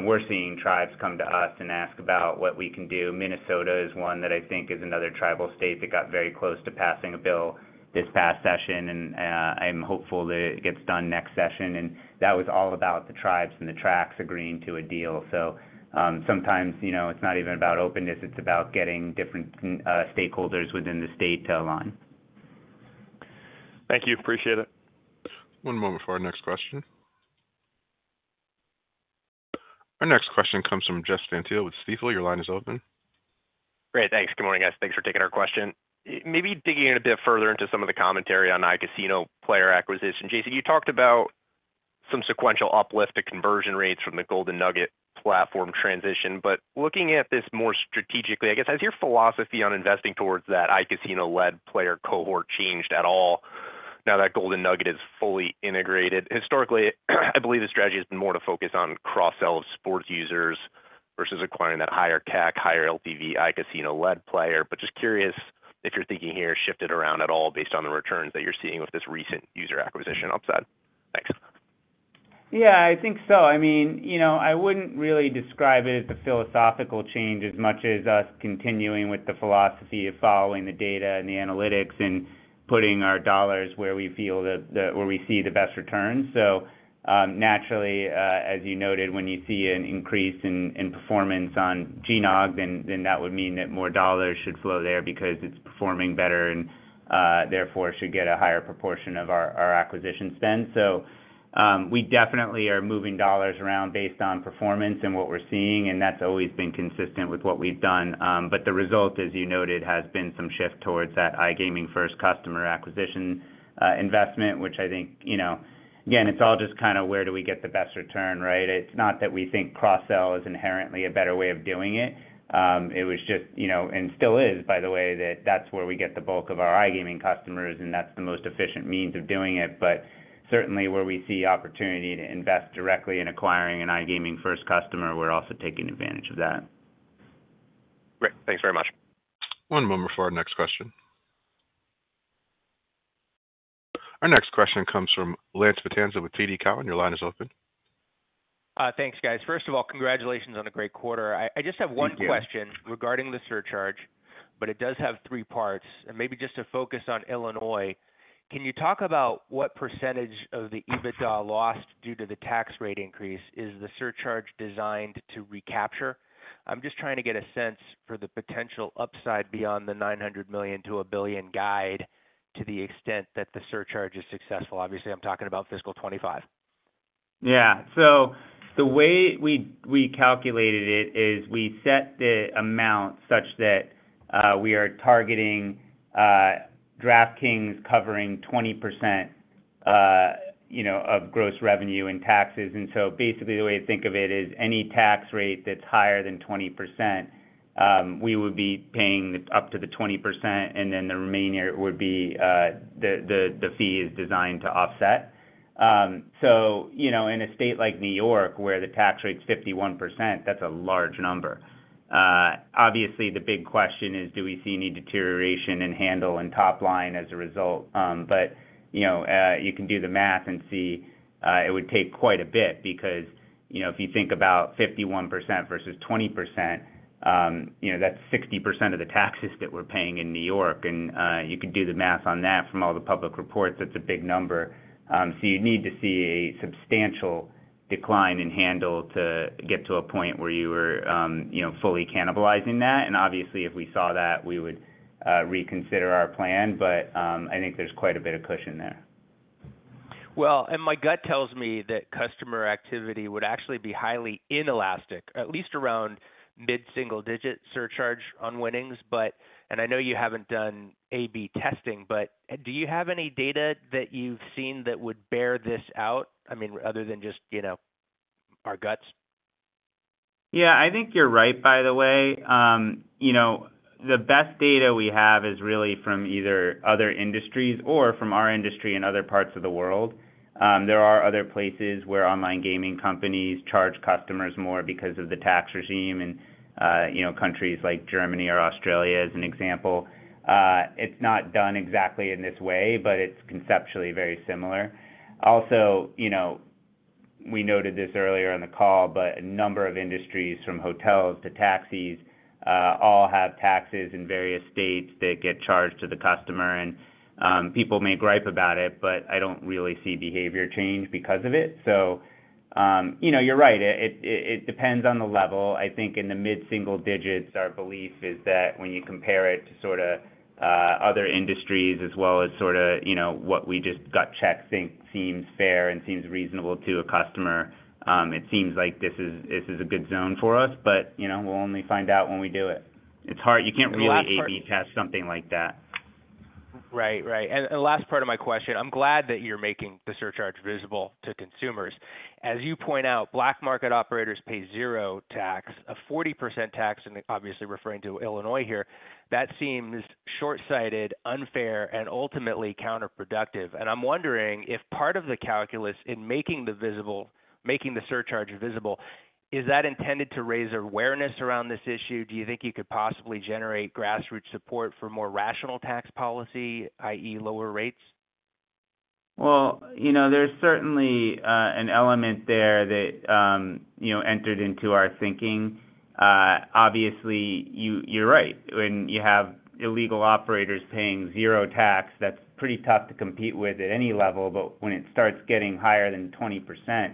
we're seeing tribes come to us and ask about what we can do. Minnesota is one that I think is another tribal state that got very close to passing a bill this past session, and, I'm hopeful that it gets done next session. That was all about the tribes and the tracks agreeing to a deal. So, sometimes, you know, it's not even about openness, it's about getting different stakeholders within the state to align. Thank you. Appreciate it. One moment for our next question. Our next question comes from Jeffrey Stantial with Stifel. Your line is open. Great, thanks. Good morning, guys. Thanks for taking our question. Maybe digging in a bit further into some of the commentary on iCasino player acquisition. Jason, you talked about some sequential uplift to conversion rates from the Golden Nugget platform transition. But looking at this more strategically, I guess, has your philosophy on investing towards that iCasino-led player cohort changed at all now that Golden Nugget is fully integrated? Historically, I believe the strategy has been more to focus on cross-sell of sports users versus acquiring that higher CAC, higher LTV iCasino-led player. But just curious if your thinking here shifted around at all based on the returns that you're seeing with this recent user acquisition upside? Thanks. Yeah, I think so. I mean, you know, I wouldn't really describe it as a philosophical change, as much as us continuing with the philosophy of following the data and the analytics, and putting our dollars where we feel that where we see the best returns. So, naturally, as you noted, when you see an increase in performance on GNOG, then that would mean that more dollars should flow there because it's performing better and therefore, should get a higher proportion of our acquisition spend. So, we definitely are moving dollars around based on performance and what we're seeing, and that's always been consistent with what we've done. But the result, as you noted, has been some shift towards that iGaming first customer acquisition, investment, which I think, you know, again, it's all just kind of where do we get the best return, right? It's not that we think cross-sell is inherently a better way of doing it. It was just, you know, and still is, by the way, that that's where we get the bulk of our iGaming customers, and that's the most efficient means of doing it. But certainly, where we see opportunity to invest directly in acquiring an iGaming first customer, we're also taking advantage of that. Great. Thanks very much. One moment for our next question. Our next question comes from Lance Vitanza with TD Cowen. Your line is open. Thanks, guys. First of all, congratulations on a great quarter. Thank you. I just have one question regarding the surcharge, but it does have three parts, and maybe just to focus on Illinois. Can you talk about what percentage of the EBITDA lost due to the tax rate increase is the surcharge designed to recapture? I'm just trying to get a sense for the potential upside beyond the $900 million-$1 billion guide, to the extent that the surcharge is successful. Obviously, I'm talking about fiscal 2025. Yeah. So the way we calculated it is we set the amount such that we are targeting DraftKings covering 20%, you know, of gross revenue in taxes. And so basically, the way to think of it is any tax rate that's higher than 20%, we would be paying up to the 20%, and then the remaining would be the fee is designed to offset. So, you know, in a state like New York, where the tax rate's 51%, that's a large number. Obviously, the big question is, do we see any deterioration in handle and top line as a result? But, you know, you can do the math and see, it would take quite a bit because, you know, if you think about 51% versus 20%, you know, that's 60% of the taxes that we're paying in New York. And, you can do the math on that from all the public reports, that's a big number. So you need to see a substantial decline in handle to get to a point where you are, you know, fully cannibalizing that. And obviously, if we saw that, we would reconsider our plan, but, I think there's quite a bit of cushion there. Well, and my gut tells me that customer activity would actually be highly inelastic, at least around mid-single-digit surcharge on winnings. But... And I know you haven't done A/B testing, but do you have any data that you've seen that would bear this out? I mean, other than just, you know, our guts. Yeah, I think you're right, by the way. You know, the best data we have is really from either other industries or from our industry in other parts of the world. There are other places where online gaming companies charge customers more because of the tax regime, and, you know, countries like Germany or Australia, as an example. It's not done exactly in this way, but it's conceptually very similar. Also, you know, we noted this earlier in the call, but a number of industries, from hotels to taxis, all have taxes in various states that get charged to the customer. People may gripe about it, but I don't really see behavior change because of it. So, you know, you're right. It depends on the level. I think in the mid-single digits, our belief is that when you compare it to sorta other industries, as well as sorta, you know, what we just gut check think seems fair and seems reasonable to a customer, it seems like this is, this is a good zone for us, but, you know, we'll only find out when we do it. It's hard- And the last part- You can't really A/B test something like that. Right. Right. And last part of my question, I'm glad that you're making the surcharge visible to consumers. As you point out, black market operators pay zero tax. A 40% tax, and obviously referring to Illinois here, that seems short-sighted, unfair, and ultimately counterproductive. And I'm wondering if part of the calculus in making the surcharge visible is that intended to raise awareness around this issue? Do you think you could possibly generate grassroots support for more rational tax policy, i.e., lower rates? Well, you know, there's certainly, an element there that, you know, entered into our thinking. Obviously, you, you're right. When you have illegal operators paying zero tax, that's pretty tough to compete with at any level, but when it starts getting higher than 20%,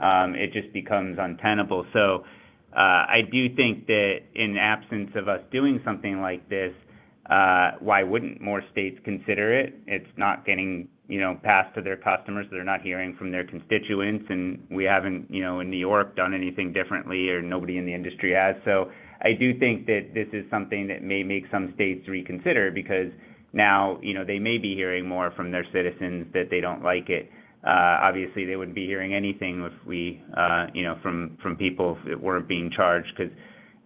it just becomes untenable. So, I do think that in absence of us doing something like this, why wouldn't more states consider it? It's not getting, you know, passed to their customers. They're not hearing from their constituents, and we haven't, you know, in New York, done anything differently, or nobody in the industry has. So I do think that this is something that may make some states reconsider, because now, you know, they may be hearing more from their citizens that they don't like it. Obviously, they wouldn't be hearing anything if we, you know, from people if it weren't being charged, 'cause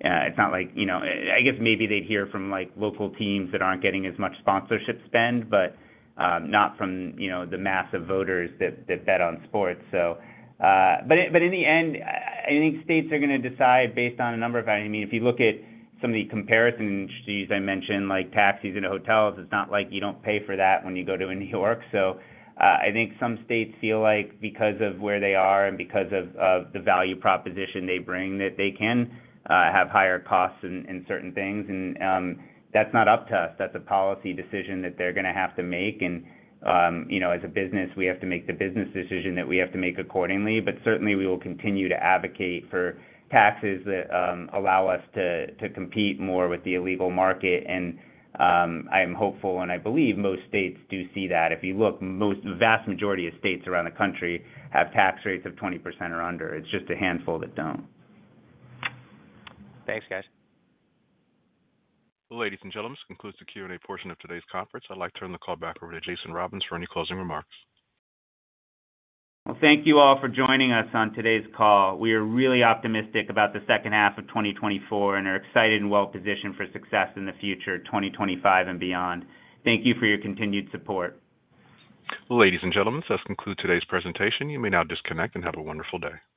it's not like, you know... I guess maybe they'd hear from, like, local teams that aren't getting as much sponsorship spend, but not from, you know, the mass of voters that bet on sports, so. But in the end, I think states are gonna decide based on a number of factors. I mean, if you look at some of the comparison industries I mentioned, like taxis and hotels, it's not like you don't pay for that when you go to New York. So, I think some states feel like because of where they are and because of the value proposition they bring, that they can have higher costs in certain things, and that's not up to us. That's a policy decision that they're gonna have to make. And, you know, as a business, we have to make the business decision that we have to make accordingly. But certainly, we will continue to advocate for taxes that allow us to compete more with the illegal market. And, I'm hopeful, and I believe most states do see that. If you look, most, the vast majority of states around the country have tax rates of 20% or under. It's just a handful that don't. Thanks, guys. Ladies and gentlemen, this concludes the Q&A portion of today's conference. I'd like to turn the call back over to Jason Robins for any closing remarks. Well, thank you all for joining us on today's call. We are really optimistic about the second half of 2024 and are excited and well-positioned for success in the future, 2025 and beyond. Thank you for your continued support. Ladies and gentlemen, this concludes today's presentation. You may now disconnect and have a wonderful day.